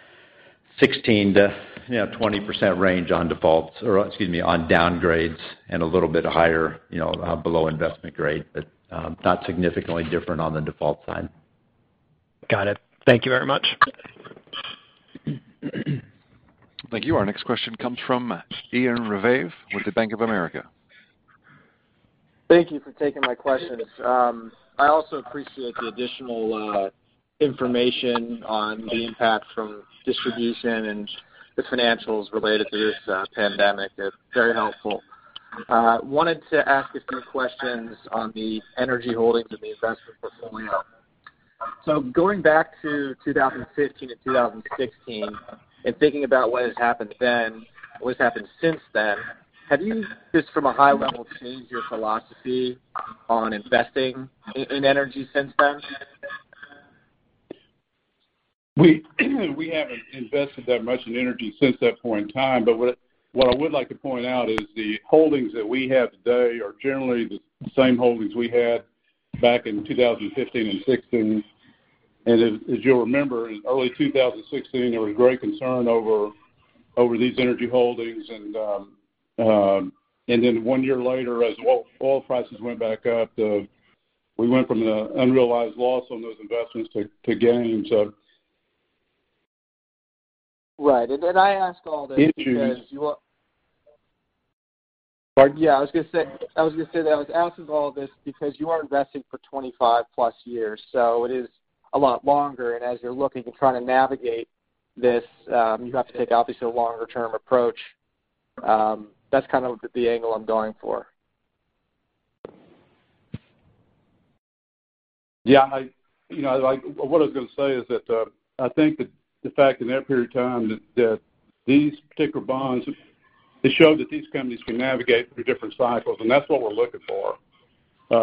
16%-20% range on defaults, or excuse me, on downgrades and a little bit higher, below investment grade, but not significantly different on the default side. Got it. Thank you very much. Thank you. Our next question comes from Ian Ryave with the Bank of America. Thank you for taking my questions. I also appreciate the additional information on the impact from distribution and the financials related to this pandemic. They're very helpful. I wanted to ask a few questions on the energy holdings in the investment portfolio. Going back to 2015 and 2016, and thinking about what has happened then, what has happened since then, have you, just from a high level, changed your philosophy on investing in energy since then? We haven't invested that much in energy since that point in time, but what I would like to point out is the holdings that we have today are generally the same holdings we had back in 2015 and 2016. As you'll remember, in early 2016, there was great concern over these energy holdings, and then one year later, as oil prices went back up, we went from the unrealized loss on those investments to gains. Right. I ask all this because you are- Pardon? Yeah, I was going to say that I was asking all this because you are investing for 25+ years, so it is a lot longer. As you're looking to try to navigate this, you have to take obviously a longer-term approach. That's kind of the angle I'm going for. Yeah. What I was going to say is that I think that the fact in that period of time, that these particular bonds, they show that these companies can navigate through different cycles, and that's what we're looking for,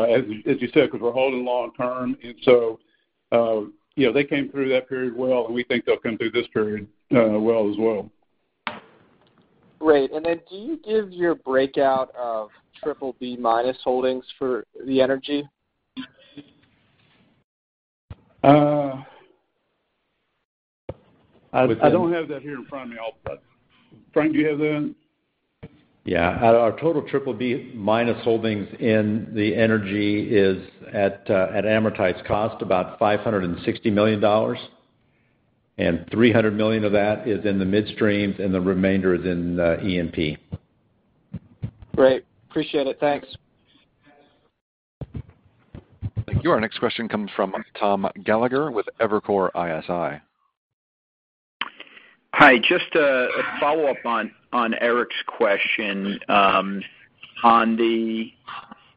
as you said, because we're holding long-term. They came through that period well, and we think they'll come through this period well as well. Great. Do you give your breakout of BBB- holdings for the energy? I don't have that here in front of me. Frank, do you have that? Yeah. Our total BBB- holdings in the energy is at amortized cost, about $560 million. $300 million of that is in the midstreams, and the remainder is in E&P. Great. Appreciate it. Thanks. Thank you. Our next question comes from Tom Gallagher with Evercore ISI. Hi. Just a follow-up on Erik's question on the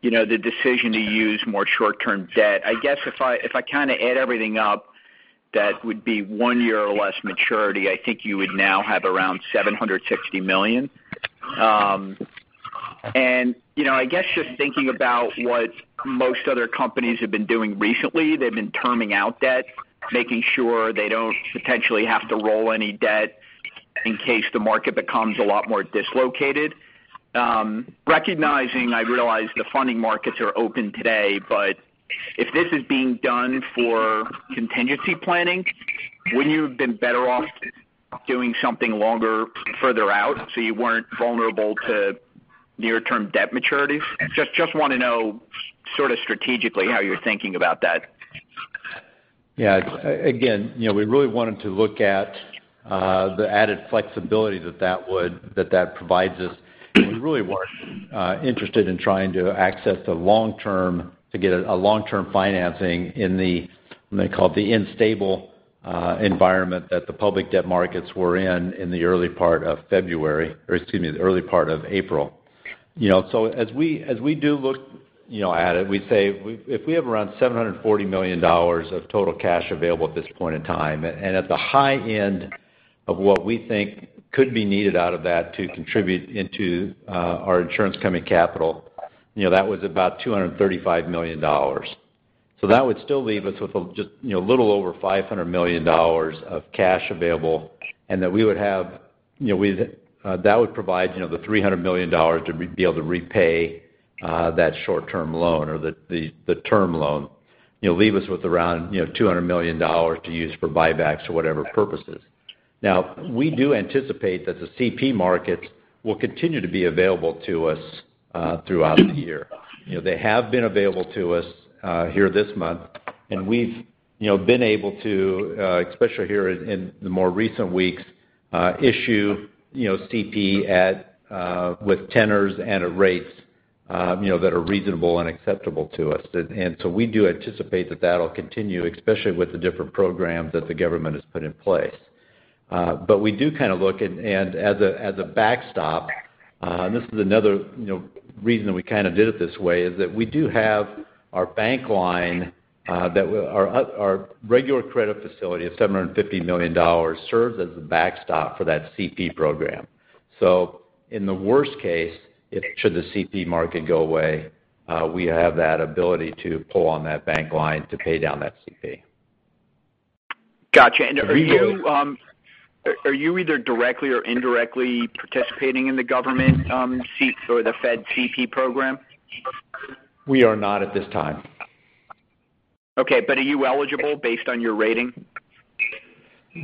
decision to use more short-term debt. I guess if I add everything up, that would be one year or less maturity, I think you would now have around $760 million. I guess just thinking about what most other companies have been doing recently, they've been terming out debt, making sure they don't potentially have to roll any debt in case the market becomes a lot more dislocated. Recognizing, I realize the funding markets are open today, but if this is being done for contingency planning, wouldn't you have been better off doing something longer further out so you weren't vulnerable to near-term debt maturities? Just want to know sort of strategically how you're thinking about that. Again, we really wanted to look at the added flexibility that that provides us. We really weren't interested in trying to access the long-term to get a long-term financing in the, what they call, the unstable environment that the public debt markets were in the early part of February or excuse me, the early part of April. As we do look at it, we say, if we have around $740 million of total cash available at this point in time, and at the high end of what we think could be needed out of that to contribute into our insurance company capital, that was about $235 million. That would still leave us with a little over $500 million of cash available, and that would provide the $300 million to be able to repay that short-term loan or the term loan. It'll leave us with around $200 million to use for buybacks or whatever purposes. Now, we do anticipate that the CP markets will continue to be available to us throughout the year. They have been available to us here this month, and we've been able to, especially here in the more recent weeks, issue CP with tenors and at rates that are reasonable and acceptable to us. We do anticipate that that'll continue, especially with the different programs that the government has put in place. We do kind of look, and as a backstop, and this is another reason that we kind of did it this way, is that we do have our bank line. Our regular credit facility of $750 million serves as a backstop for that CP program. In the worst case, should the CP market go away, we have that ability to pull on that bank line to pay down that CP. Got you. Are you either directly or indirectly participating in the government or the Fed CP program? We are not at this time. Okay. are you eligible based on your rating?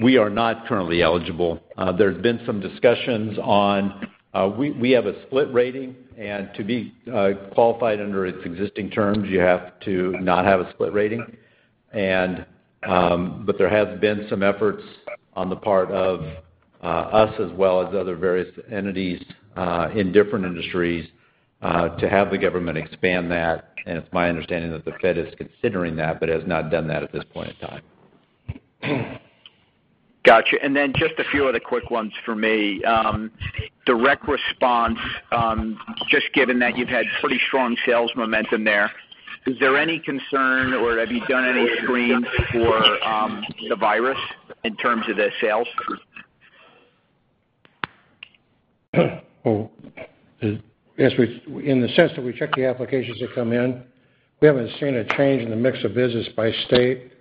We are not currently eligible. There's been some discussions on, we have a split rating, and to be qualified under its existing terms, you have to not have a split rating. There have been some efforts on the part of us as well as other various entities in different industries to have the government expand that, and it's my understanding that the Fed is considering that but has not done that at this point in time. Got you. Just a few other quick ones for me. Direct response, just given that you've had pretty strong sales momentum there, is there any concern or have you done any screens for the virus in terms of the sales? Well, yes, in the sense that we check the applications that come in, we haven't seen a change in the mix of business by state,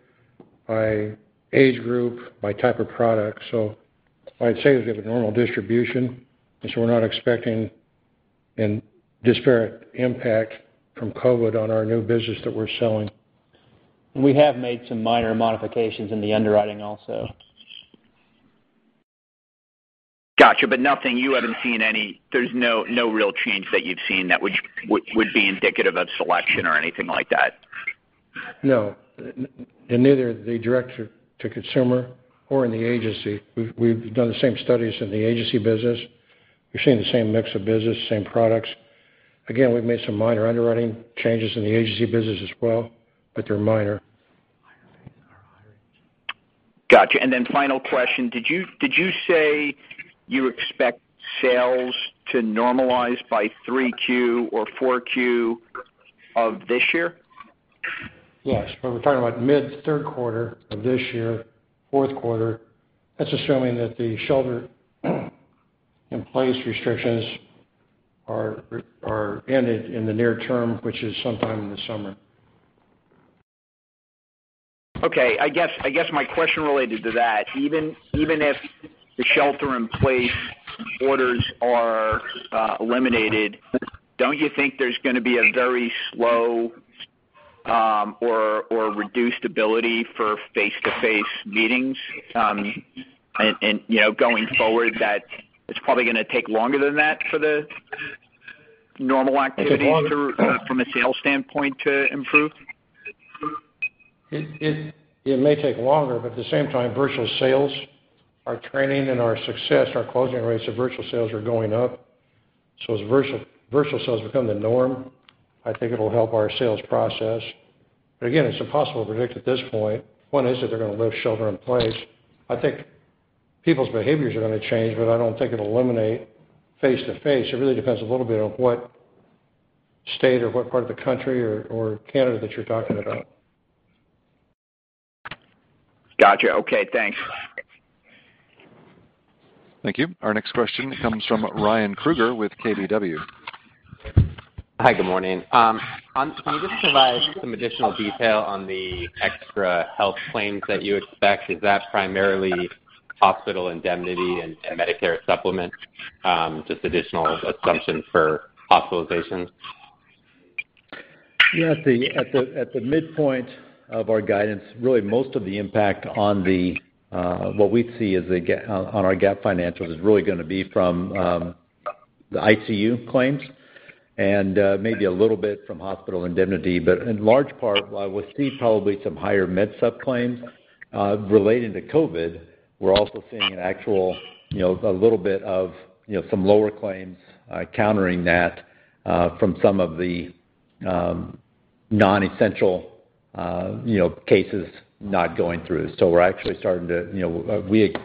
by age group, by type of product, so I'd say we have a normal distribution, and so we're not expecting any disparate impact from COVID on our new business that we're selling. We have made some minor modifications in the underwriting also. Got you. There's no real change that you've seen that would be indicative of selection or anything like that? No. In neither the direct-to-consumer, nor the agency. We've done the same studies in the agency business. We've seen the same mix of business, same products. We've made some minor underwriting changes in the agency business as well, but they're minor. Got you. Final question. Did you say you expect sales to normalize by 3Q or 4Q of this year? Yes. We're talking about mid third quarter of this year, fourth quarter. That's assuming that the shelter-in-place restrictions are ended in the near term, which is sometime in the summer. Okay. I guess my question related to that, even if the shelter-in-place orders are eliminated, don't you think there's going to be a very slow or reduced ability for face-to-face meetings going forward, that it's probably going to take longer than that for the normal activities from a sales standpoint to improve? It may take longer, but at the same time, virtual sales are trending, and our success and our closing rates of virtual sales are going up. As virtual sales become the norm, I think it'll help our sales process. Again, it's impossible to predict at this point. One is if they're going to lift shelter-in-place. I think people's behaviors are going to change, but I don't think it'll eliminate face-to-face. It really depends a little bit on what state or what part of the country or Canada that you're talking about. Got you. Okay. Thanks. Thank you. Our next question comes from Ryan Krueger with KBW. Hi, good morning. Can you just provide some additional detail on the extra health claims that you expect? Is that primarily hospital indemnity and Medicare Supplement, just additional assumption for hospitalizations? Yes. At the midpoint of our guidance, really most of the impact on what we see on our GAAP financials is really going to be from the ICU claims and maybe a little bit from hospital indemnity, but in large part, while we see probably some higher MedSup claims related to COVID, we're also seeing an actual little bit of some lower claims countering that from some of the non-essential cases not going through.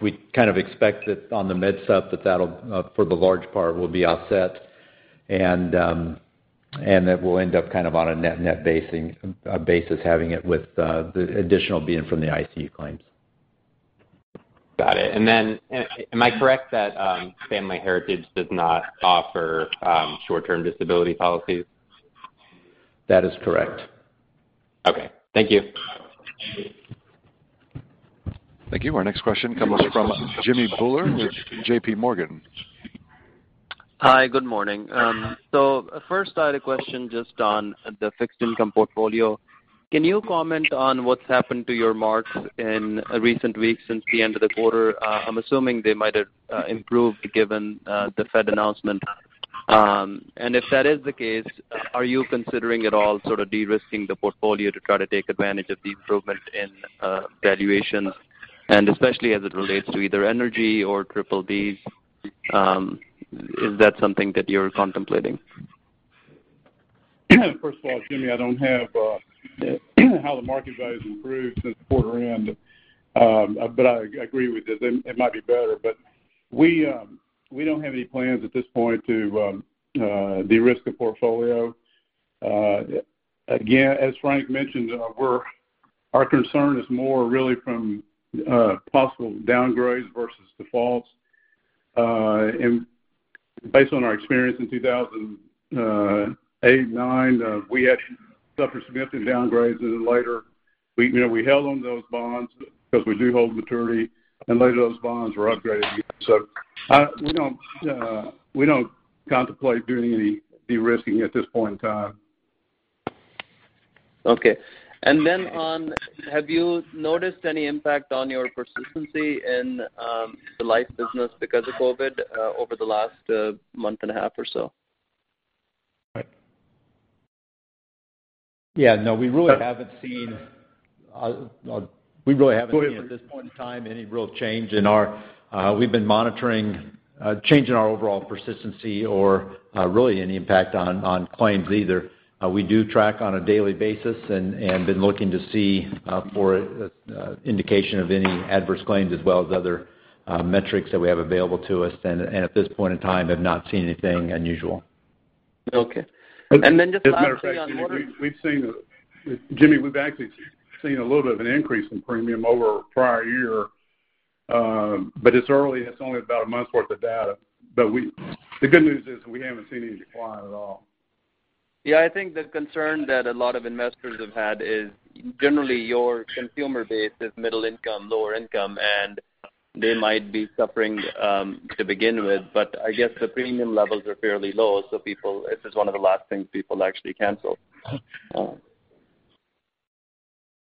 We kind of expect that on the MedSup, that that'll, for the large part, will be offset and that we'll end up kind of on a net-net basis, having it with the additional being from the ICU claims. Got it. Am I correct that Family Heritage does not offer short-term disability policies? That is correct. Okay. Thank you. Thank you. Our next question comes from Jimmy Bhullar with JPMorgan. Hi. Good morning. first, I had a question just on the fixed-income portfolio. Can you comment on what's happened to your marks in recent weeks since the end of the quarter? I'm assuming they might have improved given the Fed announcement. If that is the case, are you considering at all sort of de-risking the portfolio to try to take advantage of the improvement in valuations, and especially as it relates to either energy or BBB? Is that something that you're contemplating? First of all, Jimmy, I don't have how the market value has improved since quarter end, but I agree with you. It might be better, but we don't have any plans at this point to de-risk the portfolio. Again, as Frank mentioned, our concern is more really from possible downgrades versus defaults. Based on our experience in 2008 and 2009, we actually suffered significant downgrades, and then later we held on those bonds because we do hold maturity, and later those bonds were upgraded again. We don't contemplate doing any de-risking at this point in time. Okay. Have you noticed any impact on your persistency in the life business because of COVID over the last month and a half or so? Yeah, no, we really haven't seen at this point in time any real change in our overall persistency or really any impact on claims either. We do track on a daily basis and been looking to see for indication of any adverse claims, as well as other metrics that we have available to us, and at this point in time have not seen anything unusual. Okay. just lastly on. As a matter of fact, Jimmy, we've actually seen a little bit of an increase in premium over prior year, but it's early, it's only about a month's worth of data. The good news is we haven't seen any decline at all. Yeah, I think the concern that a lot of investors have had is generally your consumer base is middle income, lower income, and they might be suffering to begin with, but I guess the premium levels are fairly low, so this is one of the last things people actually cancel.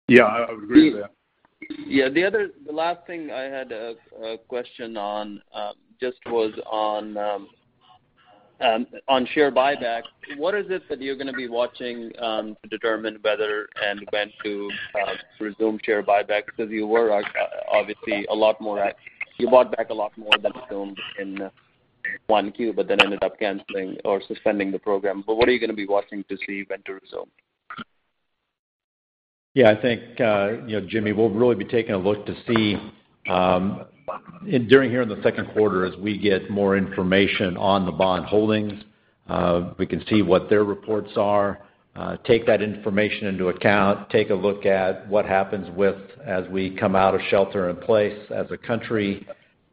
Yeah, I would agree with that. Yeah. The last thing I had a question on, just was on share buyback. What is it that you're going to be watching to determine whether and when to resume share buyback? Because you were obviously a lot more active. You bought back a lot more than assumed in 1Q, but then ended up canceling or suspending the program. What are you going to be watching to see when to resume? Yeah, I think, Jimmy, we'll really be taking a look to see, during here in the second quarter, as we get more information on the bond holdings, we can see what their reports are. Take that information into account, take a look at what happens with as we come out of shelter-in-place as a country,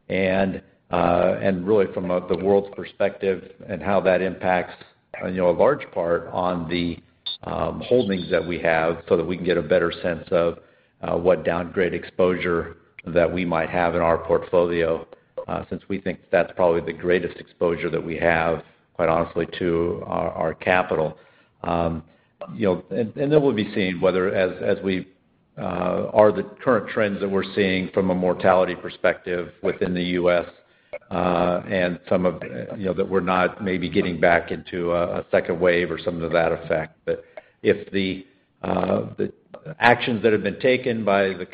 and really from the world's perspective, and how that impacts a large part on the holdings that we have so that we can get a better sense of what downgrade exposure that we might have in our portfolio, since we think that's probably the greatest exposure that we have, quite honestly, to our capital. We'll be seeing whether as we, are the current trends that we're seeing from a mortality perspective within the U.S., and some of, that we're not maybe getting back into a second wave or something to that effect. if the actions that have been taken by the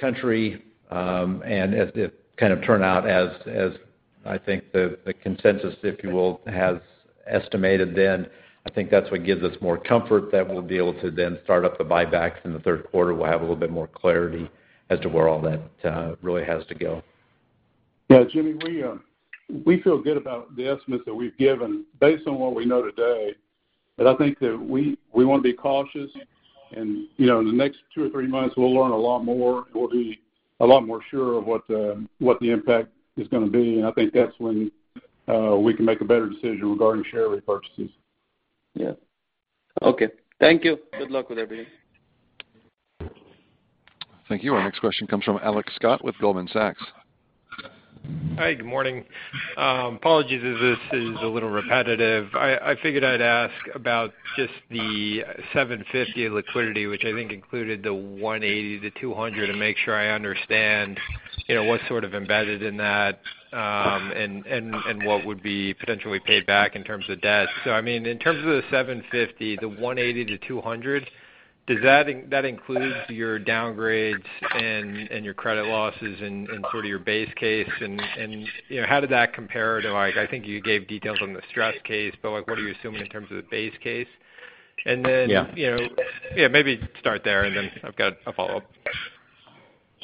country, and as it kind of turn out as I think the consensus, if you will, has estimated, then I think that's what gives us more comfort that we'll be able to then start up the buybacks in the third quarter. We'll have a little bit more clarity as to where all that really has to go. Yeah, Jimmy, we feel good about the estimates that we've given based on what we know today. I think that we want to be cautious and in the next two or three months, we'll learn a lot more and we'll be a lot more sure of what the impact is going to be, and I think that's when we can make a better decision regarding share repurchases. Yeah. Okay. Thank you. Good luck with everything. Thank you. Our next question comes from Alex Scott with Goldman Sachs. Hi, good morning. Apologies if this is a little repetitive. I figured I'd ask about just the $750 million liquidity, which I think included the $180 million-$200 million, and make sure I understand what's sort of embedded in that, and what would be potentially paid back in terms of debt. I mean, in terms of the $750 million, the $180 million-$200 million, does that include your downgrades and your credit losses and sort of your base case and how did that compare to, I think you gave details on the stress case, but what are you assuming in terms of the base case? Yeah. Yeah, maybe start there and then I've got a follow-up.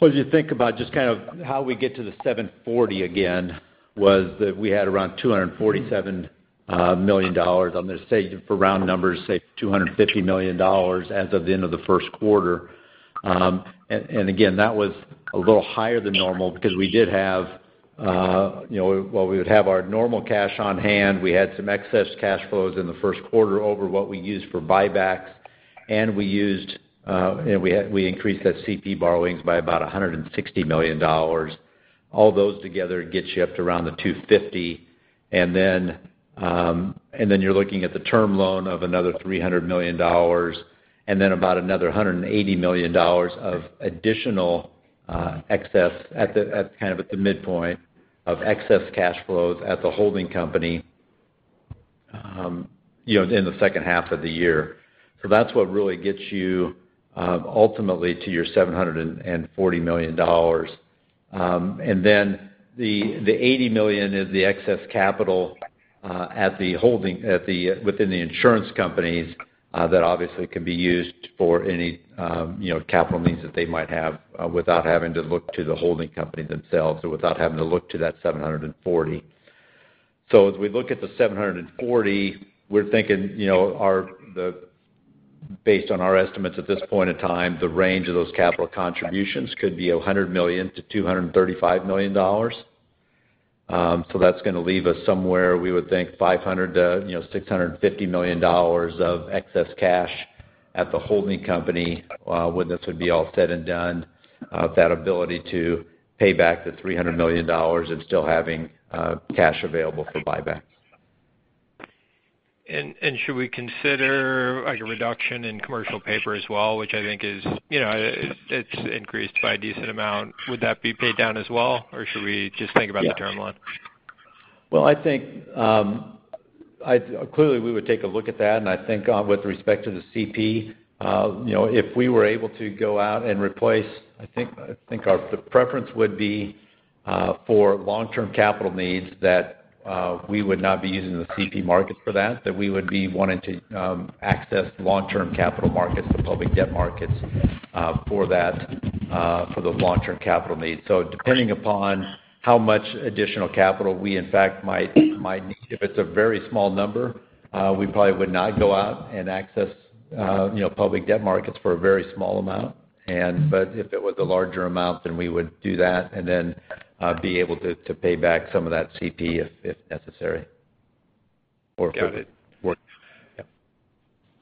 As you think about just kind of how we get to the $740 million again, was that we had around $247 million. I'm going to say for round numbers, say $250 million as of the end of the first quarter. Again, that was a little higher than normal because we did have our normal cash on hand. We had some excess cash flows in the first quarter over what we used for buybacks., and we increased that CP borrowings by about $160 million. All those together gets you up to around the $250 million, and then you're looking at the term loan of another $300 million, and then about another $180 million of additional excess at kind of at the midpoint of excess cash flows at the holding company in the second half of the year. That's what really gets you ultimately to your $740 million. The $80 million is the excess capital within the insurance companies, that obviously can be used for any capital needs that they might have without having to look to the holding company themselves or without having to look to that $740 million. As we look at the $740 million, we're thinking, based on our estimates at this point in time, the range of those capital contributions could be $100 million- $235 million. That's going to leave us somewhere, we would think, $500 million-$650 million of excess cash at the holding company, when this would be all said and done, that ability to pay back the $300 million and still having cash available for buyback. Should we consider like a reduction in commercial paper as well, which I think it's increased by a decent amount. Would that be paid down as well or should we just think about the term loan? Clearly, we would take a look at that. I think with respect to the CP, if we were able to go out and replace, I think our preference would be for long-term capital needs that we would not be using the CP markets for that. We would be wanting to access long-term capital markets, the public debt markets for the long-term capital needs. Depending upon how much additional capital we in fact might need, if it's a very small number, we probably would not go out and access public debt markets for a very small amount. If it was a larger amount, then we would do that and then be able to pay back some of that CP if necessary. Got it.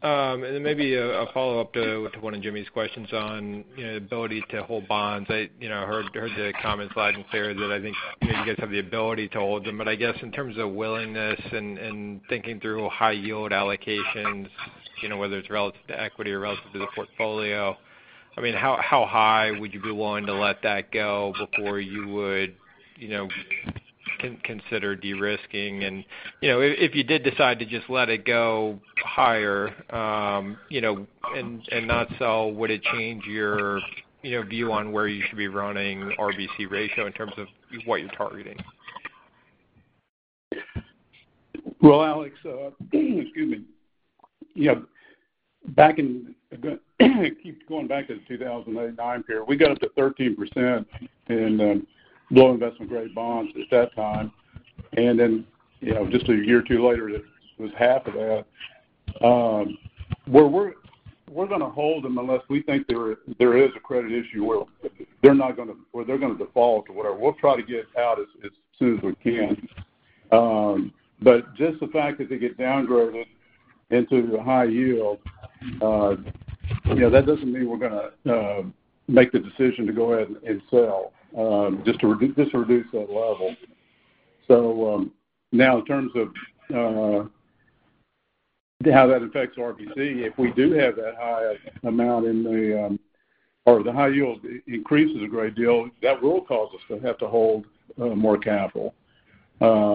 Yeah. Maybe a follow-up to one of Jimmy's questions on ability to hold bonds. I heard the comments, [Frank] and [Gary], that I think maybe you guys have the ability to hold them. I guess in terms of willingness and thinking through high yield allocations, whether it's relative to equity or relative to the portfolio, how high would you be willing to let that go before you would consider de-risking? If you did decide to just let it go higher and not sell, would it change your view on where you should be running RBC ratio in terms of what you're targeting? Well, Alex, excuse me. Going back to the 2008 and 2009 period, we got up to 13% in low investment grade bonds at that time. Just a year or two later, it was half of that. We're going to hold them unless we think there is a credit issue where they're going to default or whatever. We'll try to get out as soon as we can. Just the fact that they get downgraded into the high yield, that doesn't mean we're going to make the decision to go ahead and sell just to reduce that level. Now in terms of how that affects RBC, if we do have that high amount or the high yield increases a great deal, that will cause us to have to hold more capital. We'll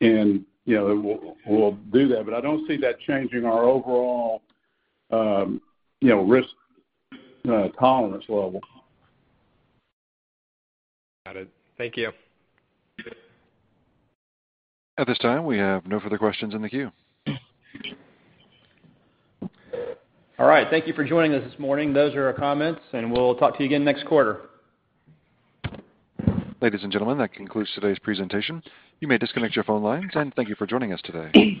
do that. I don't see that changing our overall risk tolerance level. Got it. Thank you. At this time, we have no further questions in the queue. All right. Thank you for joining us this morning. Those are our comments, and we'll talk to you again next quarter. Ladies and gentlemen, that concludes today's presentation. You may disconnect your phone lines, and thank you for joining us today.